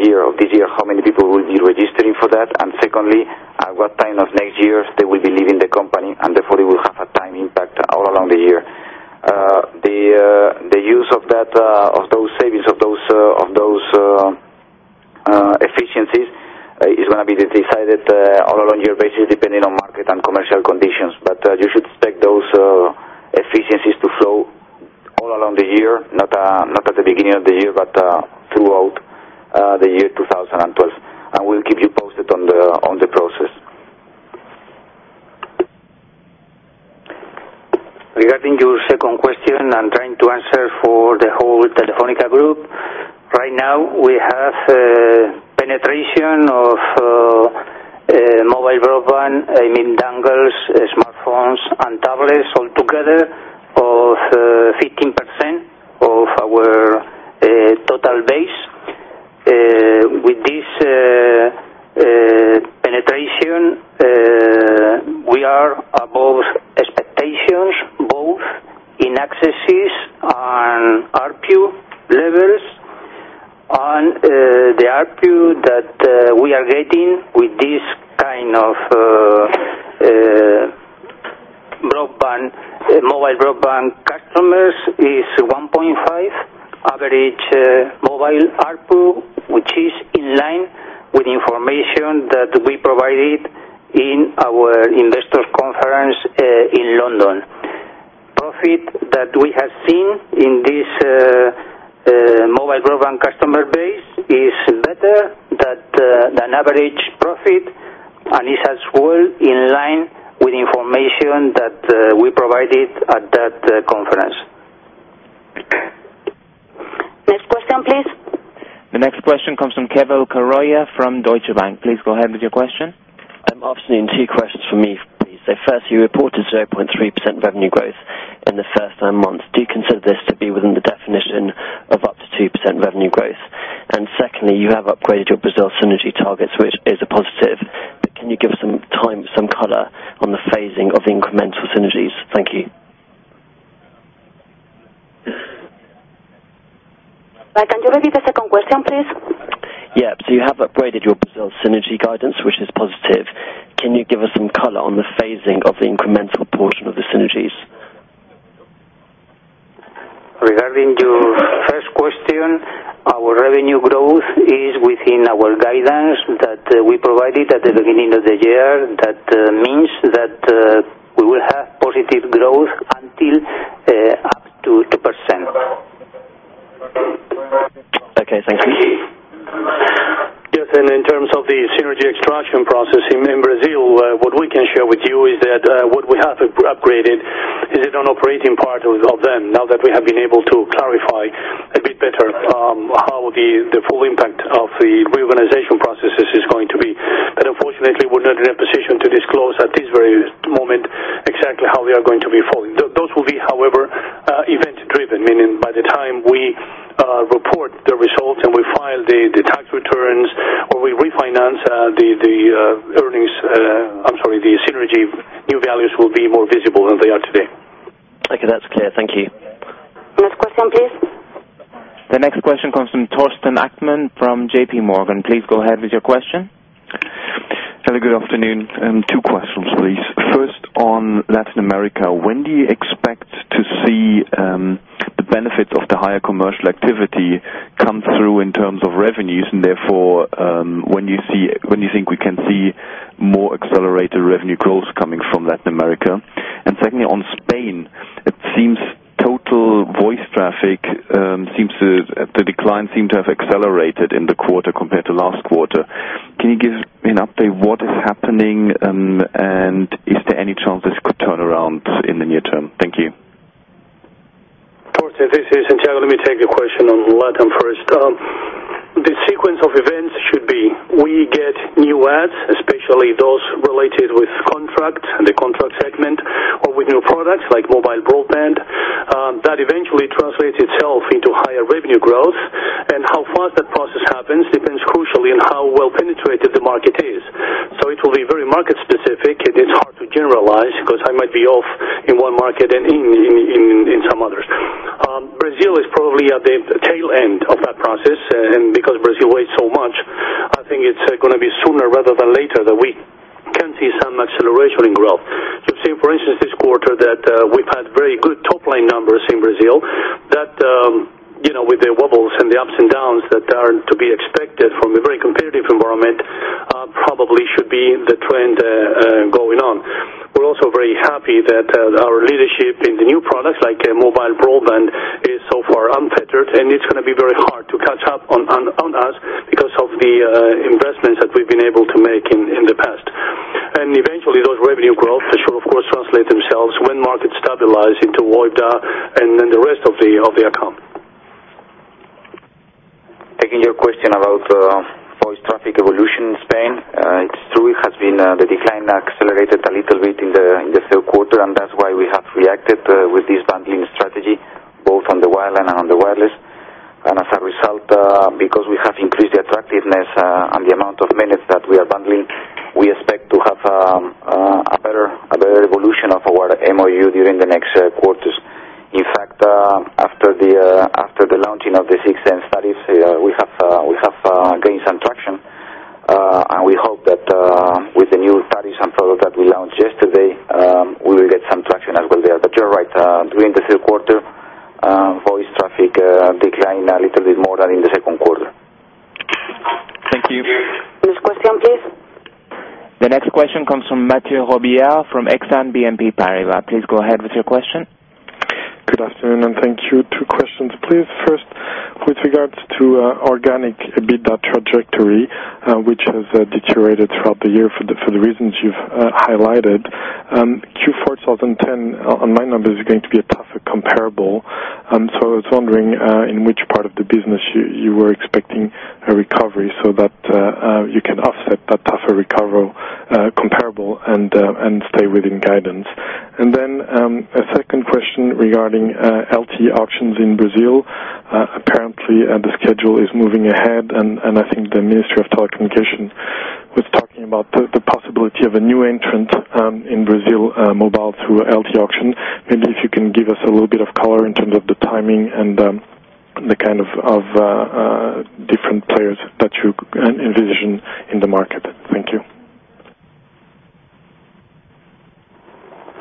year of this year, how many people will be registering for that. Secondly, at what time of next year they will be leaving the company, and therefore, they will have a time impact all along the year. The use of those savings, of those efficiencies, is going to be decided all along your basis depending on market and commercial conditions. You should expect those efficiencies to flow all along the year, not at the beginning of the year, but throughout the year 2012. We'll keep you posted on the process. Regarding your second question, I'm trying to answer for the whole Telefónica group. Right now, we have a penetration of mobile broadband, I mean dongles, smartphones, and tablets altogether of 15% of our total base. With this penetration, we are above expectations, both in accesses and ARPU levels. The ARPU that we are getting with this kind of mobile broadband customers is 1.5 average mobile ARPU, which is in line with the information that we provided in our investors' conference in London. The profit that we have seen in this mobile broadband customer base is better than average profit and is as well in line with the information that we provided at that conference. Next question, please. The next question comes from Keval Khiroya from Deutsche Bank. Please go ahead with your question. I'm asking two questions from each, please. First, you reported 0.3% revenue growth in the first nine months. Do you consider this to be within the definition of up to 2% revenue growth? Secondly, you have upgraded your Brazil synergy targets, which is a positive. Can you give some time, some color on the phasing of the incremental synergies? Thank you. Can you repeat the second question, please? Yeah. You have upgraded your Brazil synergy guidance, which is positive. Can you give us some color on the phasing of the incremental portion of the synergies? Regarding your first question, our revenue growth is within our guidance that we provided at the beginning of the year. That means that we will have positive growth up to 2%. Okay, thank you. Yes. In terms of the synergy extraction process in Brazil, what we can share with you is that what we have upgraded is an operating part of them, now that we have been able to clarify a bit better how the full impact of the reorganization processes is going to be. Unfortunately, we're not in a position to disclose at this very moment exactly how they are going to be falling. Those will be, however, event-driven, meaning by the time we report the results and we file the tax returns or we refinance the earnings, I'm sorry, the synergy new values will be more visible than they are today. Okay, that's clear. Thank you. Next question, please. The next question comes from Torsten Achtmann from JPMorgan. Please go ahead with your question. Have a good afternoon. Two questions, please. First, on Latin America, when do you expect to see the benefits of the higher commercial activity come through in terms of revenues? Therefore, when do you think we can see more accelerated revenue growth coming from Latin America? Secondly, on Spain, it seems total voice traffic seems to have declined, and seemed to have accelerated in the quarter compared to last quarter. Can you give me an update on what is happening, and is there any chance this could turn around in the near term? Thank you. I would say, this is Santiago. Let me take your question on Latin first. The sequence of events should be we get new ads, especially those related with contract and the contract segment, or with new products like mobile broadband. That eventually translates itself into higher revenue growth. How fast that process happens depends crucially on how well penetrated the market is. It will be very market-specific. It is hard to generalize because I might be off in one market and in some others. Brazil is probably at the tail end of that process. Because Brazil weighs so much, I think it's going to be sooner rather than later that we can see some acceleration in growth. You've seen, for instance, this quarter that we've had very good top-line numbers in Brazil. That, with the wobbles and the ups and downs that are to be expected from a very competitive environment, probably should be the trend going on. We're also very happy that our leadership in the new products like mobile broadband is so far unfettered. It's going to be very hard to catch up on us because of the investments that we've been able to make in the past. Eventually, those revenue growths should, of course, translate themselves when markets stabilize into EBITDA and then the rest of the account. Taking your question about voice traffic evolution in Spain, it's true. It has been the decline accelerated a little bit in the third quarter, and that's why we have reacted with this bundling strategy, both on the wireline and on the wireless. As a result, because we have increased the attractiveness and the amount of minutes that we are bundling, we expect to have a better evolution of our MOU during the next quarters. In fact, after the launching of the sixth sense studies, we have gained some traction. We hope that with the new studies and products that we launched yesterday, we will get some traction as well. Yeah, you're right. During the third quarter, voice traffic declined a little bit more than in the second quarter. Thank you. Next question, please. The next question comes from Mathieu Robilliard from Exane BNP Paribas. Please go ahead with your question. Good afternoon, and thank you. Two questions, please. First, with regards to organic EBITDA trajectory, which has deteriorated throughout the year for the reasons you've highlighted, Q4 2010 on my numbers is going to be a tougher comparable. I was wondering in which part of the business you were expecting a recovery so that you can offset that tougher recovery comparable and stay within guidance. A second question regarding LT auctions in Brazil. Apparently, the schedule is moving ahead, and I think the Ministry of Telecommunications was talking about the possibility of a new entrant in Brazil mobile through LT auction. Maybe if you can give us a little bit of color in terms of the timing and the kind of different players that you envision in the market. Thank you.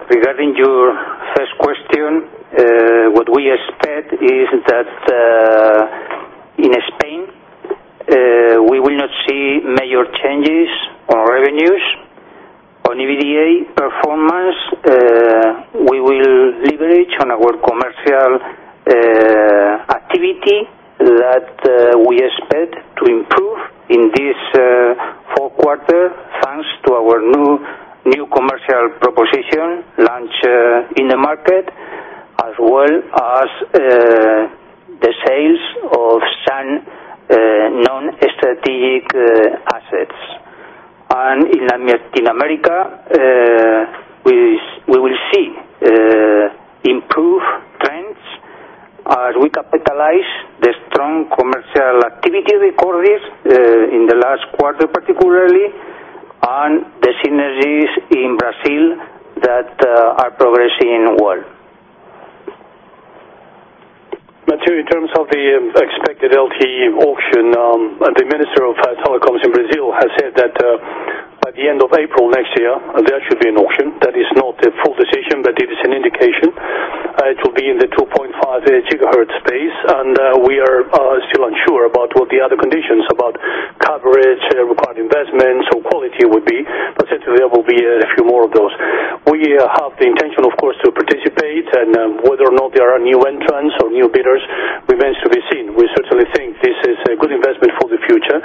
Regarding your first question, what we expect is that in Spain, we will not see major changes on revenues. On EBITDA performance, we will leverage on our commercial activity that we expect to improve in this fourth quarter thanks to our new commercial proposition launched in the market, as well as the sales of some non-strategic assets. In Latin America, we will see improved trends as we capitalize the strong commercial activity reported in the last quarter, particularly, and the synergies in Brazil that are progressing well. Mathieu, in terms of the expected LT auction, the Minister of Telecoms in Brazil has said that at the end of April next year, there should be an auction. That is not a full decision, but it is an indication. It will be in the 2.5 GHz space. We are still unsure about what the other conditions about coverage, required investments, or quality would be. Certainly, there will be a few more of those. We have the intention, of course, to participate, and whether or not there are new entrants or new bidders remains to be seen. We certainly think this is a good investment for the future,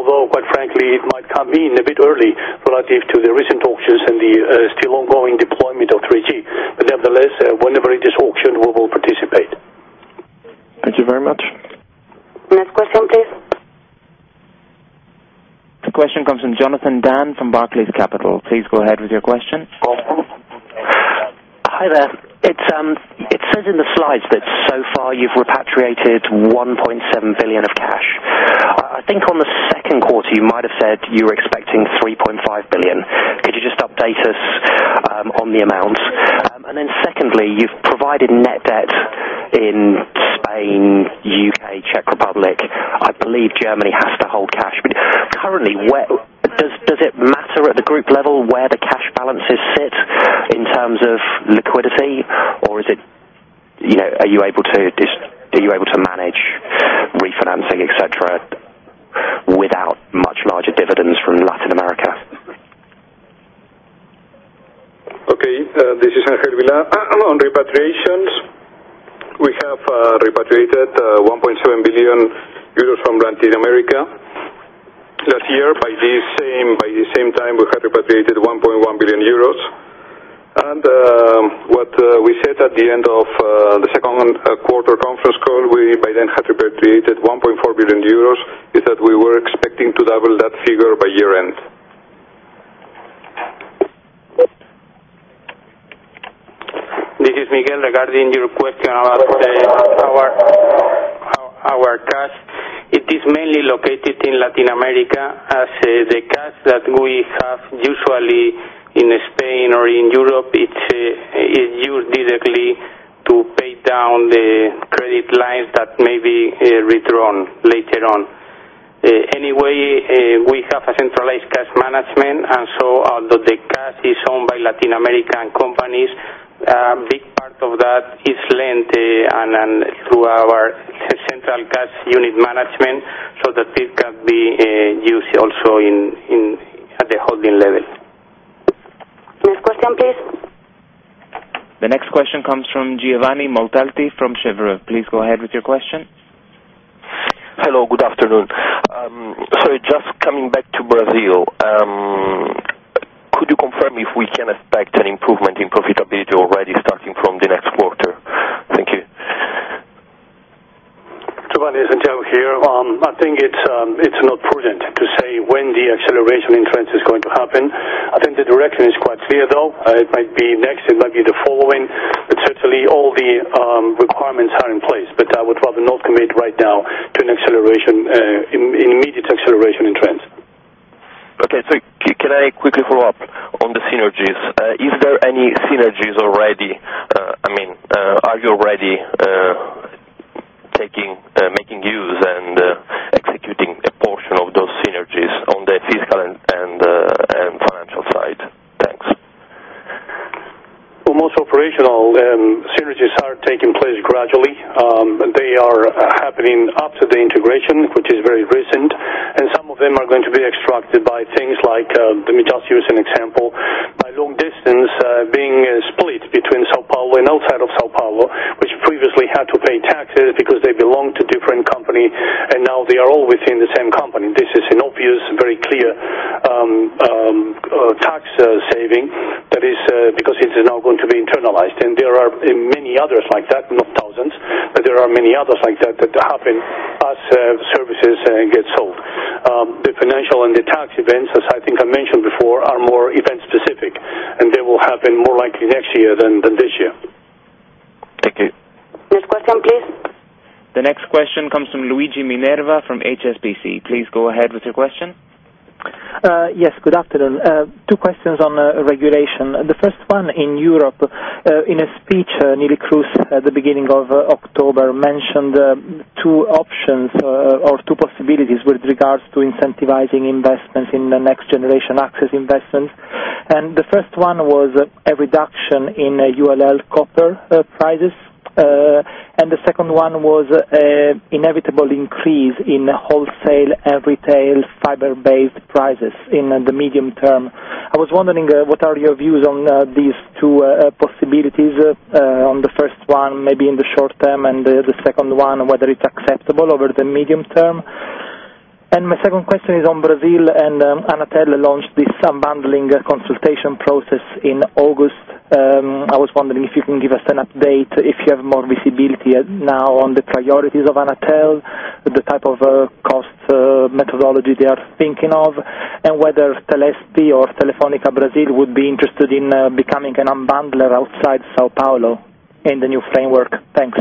although, quite frankly, it might come in a bit early relative to the recent auctions and the still ongoing deployment of 3G. Nevertheless, whenever it is auctioned, we will participate. Thank you very much. Next question, please. The question comes from Jonathan Dann from Barclays Capital. Please go ahead with your question. Hi there. It says in the slides that so far you've repatriated 1.7 billion of cash. I think on the second quarter, you might have said you were expecting 3.5 billion. Could you just update us on the amount? Secondly, you've provided net debt in Spain, UK, Czech Republic. I believe Germany has to hold cash currently. Does it matter at the group level where the cash balances sit in terms of liquidity, or are you able to manage refinancing, etc., without much larger dividends from Latin America? Okay. This is Ángel Vilá. On repatriations, we have repatriated 1.7 billion euros from Latin America last year. By the same time, we had repatriated 1.1 billion euros. What we said at the end of the second quarter conference call, we by then had repatriated EUR 1.4 billion, is that we were expecting to double that figure by year-end. This is Miguel regarding your question about our cash. It is mainly located in Latin America. As the cash that we have usually in Spain or in Europe, it's used directly to pay down the credit lines that may be redrawn later on. Anyway, we have a centralized cash management, and although the cash is owned by Latin American companies, a big part of that is lent through our central cash unit management so that it can be used also at the holding level. Next question, please. The next question comes from Giovanni Montalti from Cheuvreux. Please go ahead with your question. Hello. Good afternoon. Sorry, just coming back to Brazil. Could you confirm if we can expect an improvement in profitability already starting from the next quarter? Thank you. I think it's not prudent to say when the acceleration in France is going to happen. I think the direction is quite clear, though. It might be next. It might be the following. Certainly, all the requirements are in place. I would rather not commit right now to an immediate acceleration in France. Okay. Can I quickly follow up on the synergies? Is there any synergies already? I mean, are you already making use and executing a portion of those synergies on the physical and financial side? Thanks. Most operational synergies are taking place gradually. They are happening after the integration, which is very recent. Some of them are going to be extracted by things like the Midastures, for example, by long distance being split between São Paulo and outside of São Paulo, which previously had to pay taxes because they belonged to different companies, and now they are all within the same company. This is an obvious, very clear tax saving that is because it is now going to be internalized. There are many others like that, not thousands, but there are many others like that that happen as services get sold. The financial and the tax events, as I think I mentioned before, are more event-specific. They will happen more likely next year than this year. Thank you. Next question, please. The next question comes from Luigi Minerva from HSBC. Please go ahead with your question. Yes. Good afternoon. Two questions on regulation. The first one in Europe. In a speech, Neil Cruz, at the beginning of October, mentioned two options or two possibilities with regards to incentivizing investments in the next-generation access investments. The first one was a reduction in ULL copper prices. The second one was an inevitable increase in wholesale and retail fiber-based prices in the medium term. I was wondering, what are your views on these two possibilities? On the first one, maybe in the short term, and the second one, whether it's acceptable over the medium term. My second question is on Brazil, and Anatel launched this bundling consultation process in August. I was wondering if you can give us an update if you have more visibility now on the priorities of Anatel, the type of cost methodology they are thinking of, and whether Telefónica Brazil would be interested in becoming an unbundler outside São Paulo in the new framework. Thanks.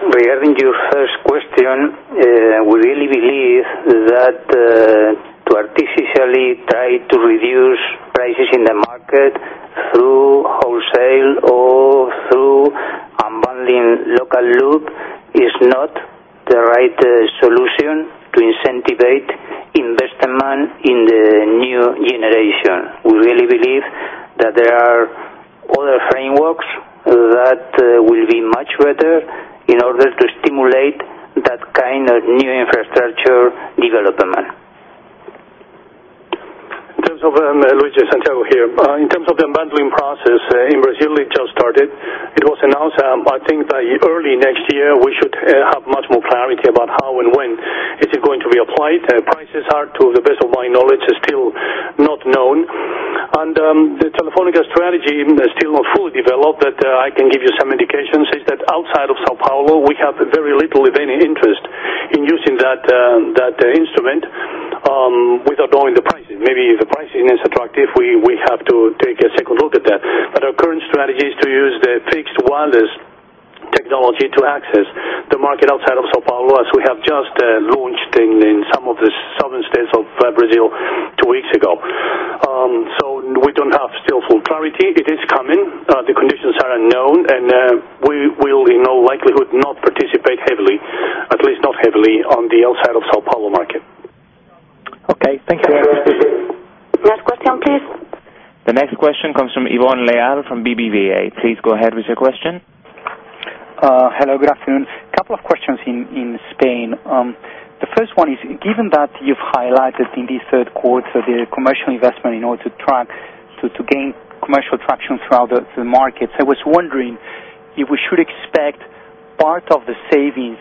Regarding your first question, we really believe that to artificially try to reduce prices in the market through wholesale or through unbundling local loop is not the right solution to incentivate investment in the new generation. We really believe that there are other frameworks that will be much better in order to stimulate that kind of new infrastructure development. In terms of the unbundling process, in Brazil, it just started. It was announced, but I think by early next year, we should have much more clarity about how and when it is going to be applied. Prices are, to the best of my knowledge, still not known. The Telefónica strategy is still not fully developed, but I can give you some indications. It's that outside of São Paulo, we have very little, if any, interest in using that instrument without knowing the prices. Maybe the pricing is attractive. We have to take a second look at that. Our current strategy is to use the fixed wireless technology to access the market outside of São Paulo, as we have just launched in some of the southern states of Brazil two weeks ago. We don't have still full clarity. It is coming. The conditions are unknown, and we will, in all likelihood, not participate heavily, at least not heavily on the outside of São Paulo market. Okay, thank you. Next question, please. The next question comes from Ivón Leal from BBVA. Please go ahead with your question. Hello. Good afternoon. A couple of questions in Spain. The first one is, given that you've highlighted in this third quarter the commercial investment in order to gain commercial traction throughout the markets, I was wondering if we should expect part of the savings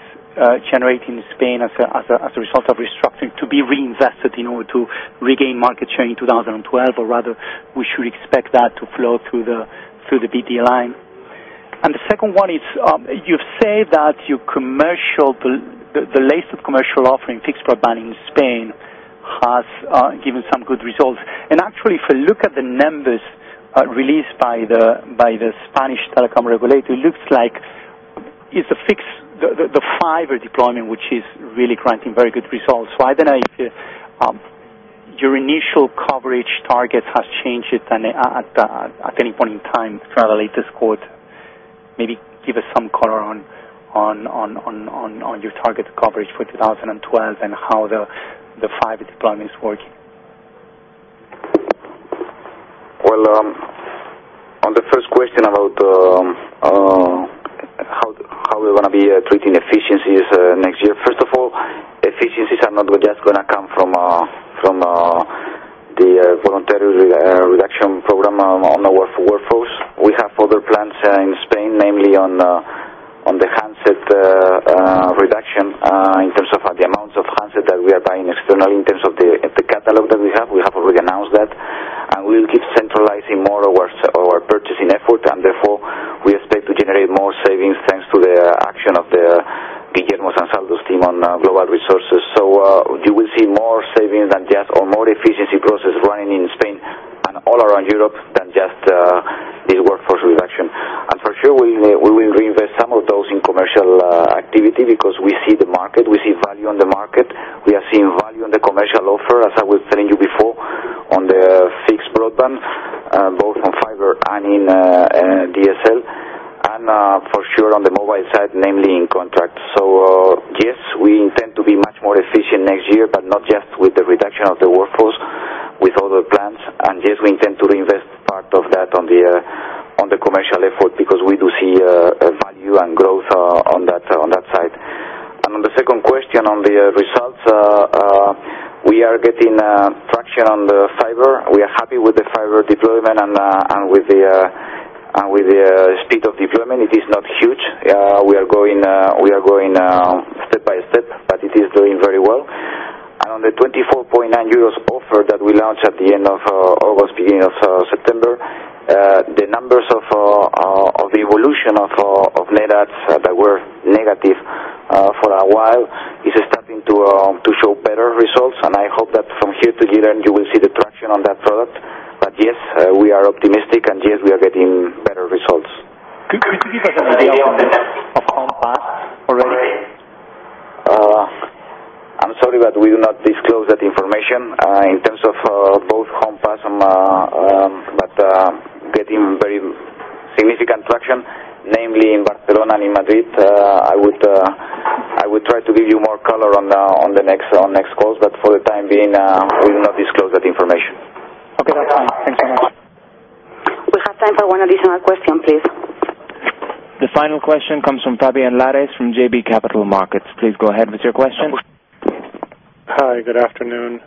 generated in Spain as a result of restructuring to be reinvested in order to regain market share in 2012, or rather, we should expect that to flow through the BBVA line. The second one is, you've said that your latest commercial offering, fixed broadband in Spain, has given some good results. Actually, if I look at the numbers released by the Spanish telecom regulator, it looks like it's the fixed fiber deployment, which is really granting very good results. I don't know if your initial coverage target has changed at any point in time throughout the latest quarter. Maybe give us some color on your target coverage for 2012 and how the fiber deployment is working. On the first question about how we're going to be treating efficiencies next year, first of all, efficiencies are not just going to come from the voluntary reduction program on our workforce. We have other plans in Spain, namely on the handset reduction in terms of the amounts of handset that we are buying externally, in terms of the catalog that we have. We have already announced that. We'll keep centralizing more of our purchasing effort. Therefore, we expect to generate more savings thanks to the action of Guillermo Ansaldo's team on global resources. You will see more savings than just or more efficiency process running in Spain and all around Europe than just this workforce reduction. For sure, we. invest some of those in commercial activity because we see the market. We see value in the market. We are seeing value in the commercial offer, as I was telling you before, on the fixed broadband, both on fiber and in DSL, and for sure on the mobile side, namely in contract. Yes, we intend to be much more efficient next year, but not just with the reduction of the workforce, with all the plans. Yes, we intend to reinvest part of that on the commercial effort because we do see value and growth on that side. On the second question, on the results, we are getting traction on the fiber. We are happy with the fiber deployment and with the speed of deployment. It is not huge. We are going step by step, but it is doing very well. On the 24.9 euros offer that we launched at the end of August, beginning of September, the numbers of the evolution of net adds that were negative for a while are starting to show better results. I hope that from here to year end, you will see the traction on that product. Yes, we are optimistic and yes, we are getting better results. Could you give us an idea of HomePass already? I'm sorry, but we do not disclose that information. In terms of both HomePass, we're getting very significant traction, namely in Barcelona and in Madrid. I would try to give you more color on the next calls. For the time being, we do not disclose that information. Okay, that's fine. Thanks very much. We have time for one additional question, please. The final question comes from Fabian Lares from JB Capital Markets. Please go ahead with your question. Hi, good afternoon.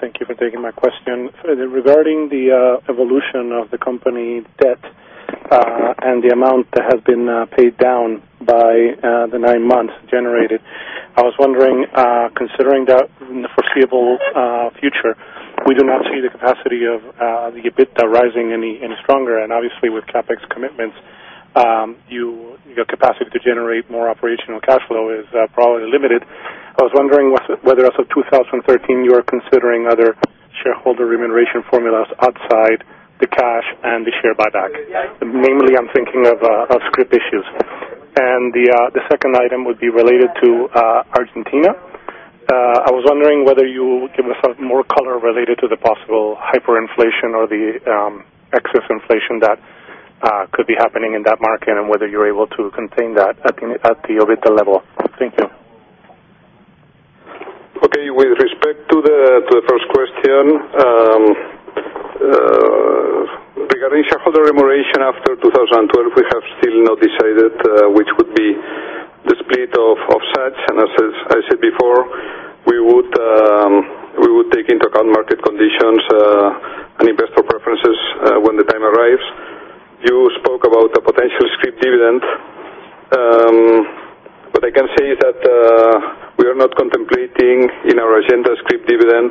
Thank you for taking my question. Regarding the evolution of the company debt and the amount that has been paid down by the nine months generated, I was wondering, considering the foreseeable future, we do not see the capacity of the EBITDA rising any stronger. Obviously, with CapEx commitments, your capacity to generate more operational cash flow is probably limited. I was wondering whether as of 2013, you were considering other shareholder remuneration formulas outside the cash and the share buyback. Mainly, I'm thinking of SCRIP issues. The second item would be related to Argentina. I was wondering whether you give us more color related to the possible hyperinflation or the excess inflation that could be happening in that market and whether you're able to contain that at the EBITDA level. Thank you. Okay, with respect to the first question, regarding shareholder remuneration after 2012, we have still not decided which would be the split of such. As I said before, we would take into account market conditions and investor preferences when the time arrives. You spoke about the potential SCRIP dividend. What I can say is that we are not contemplating in our agenda SCRIP dividend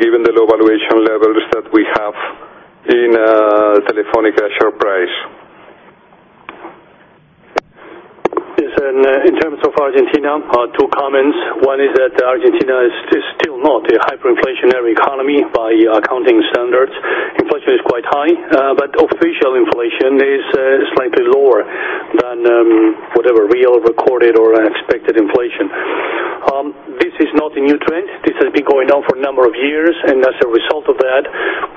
given the low valuation levels that we have in Telefónica's share price. In terms of Argentina, two comments. One is that Argentina is still not a hyperinflationary economy by accounting standards. Inflation is quite high, but official inflation is slightly lower than whatever real recorded or expected inflation. This is not a new trend. This has been going on for a number of years. As a result of that,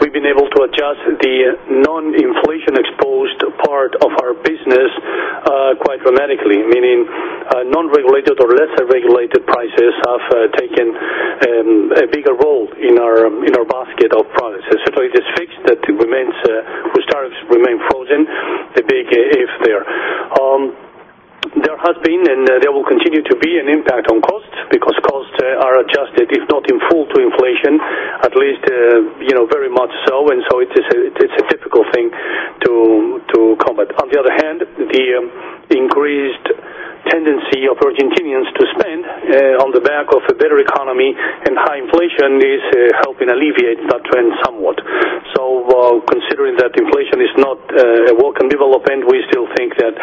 we've been able to adjust the non-inflation-exposed part of our business quite dramatically, meaning non-regulated or lesser regulated prices have taken a bigger role in our basket of products. Certainly, this fixed that remains with startups remains frozen, a big if there. There has been and there will continue to be an impact on costs because costs are adjusted, if not in full, to inflation, at least very much so. It's a difficult thing to combat it. On the other hand, the increased tendency of Argentinians to spend on the back of a better economy and high inflation is helping alleviate that trend somewhat. Considering that inflation is not a work in development, we still think that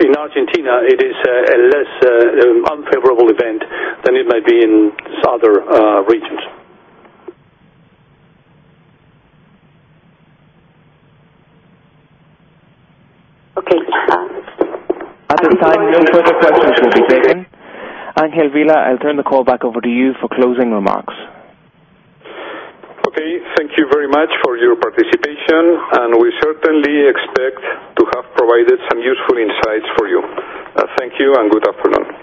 in Argentina, it is a less unfavorable event than it might be in other regions. Okay. At this time, no further questions will be taken. Ángel Vilá, I'll turn the call back over to you for closing remarks. Thank you very much for your participation. We certainly expect to have provided some useful insights for you. Thank you and good afternoon.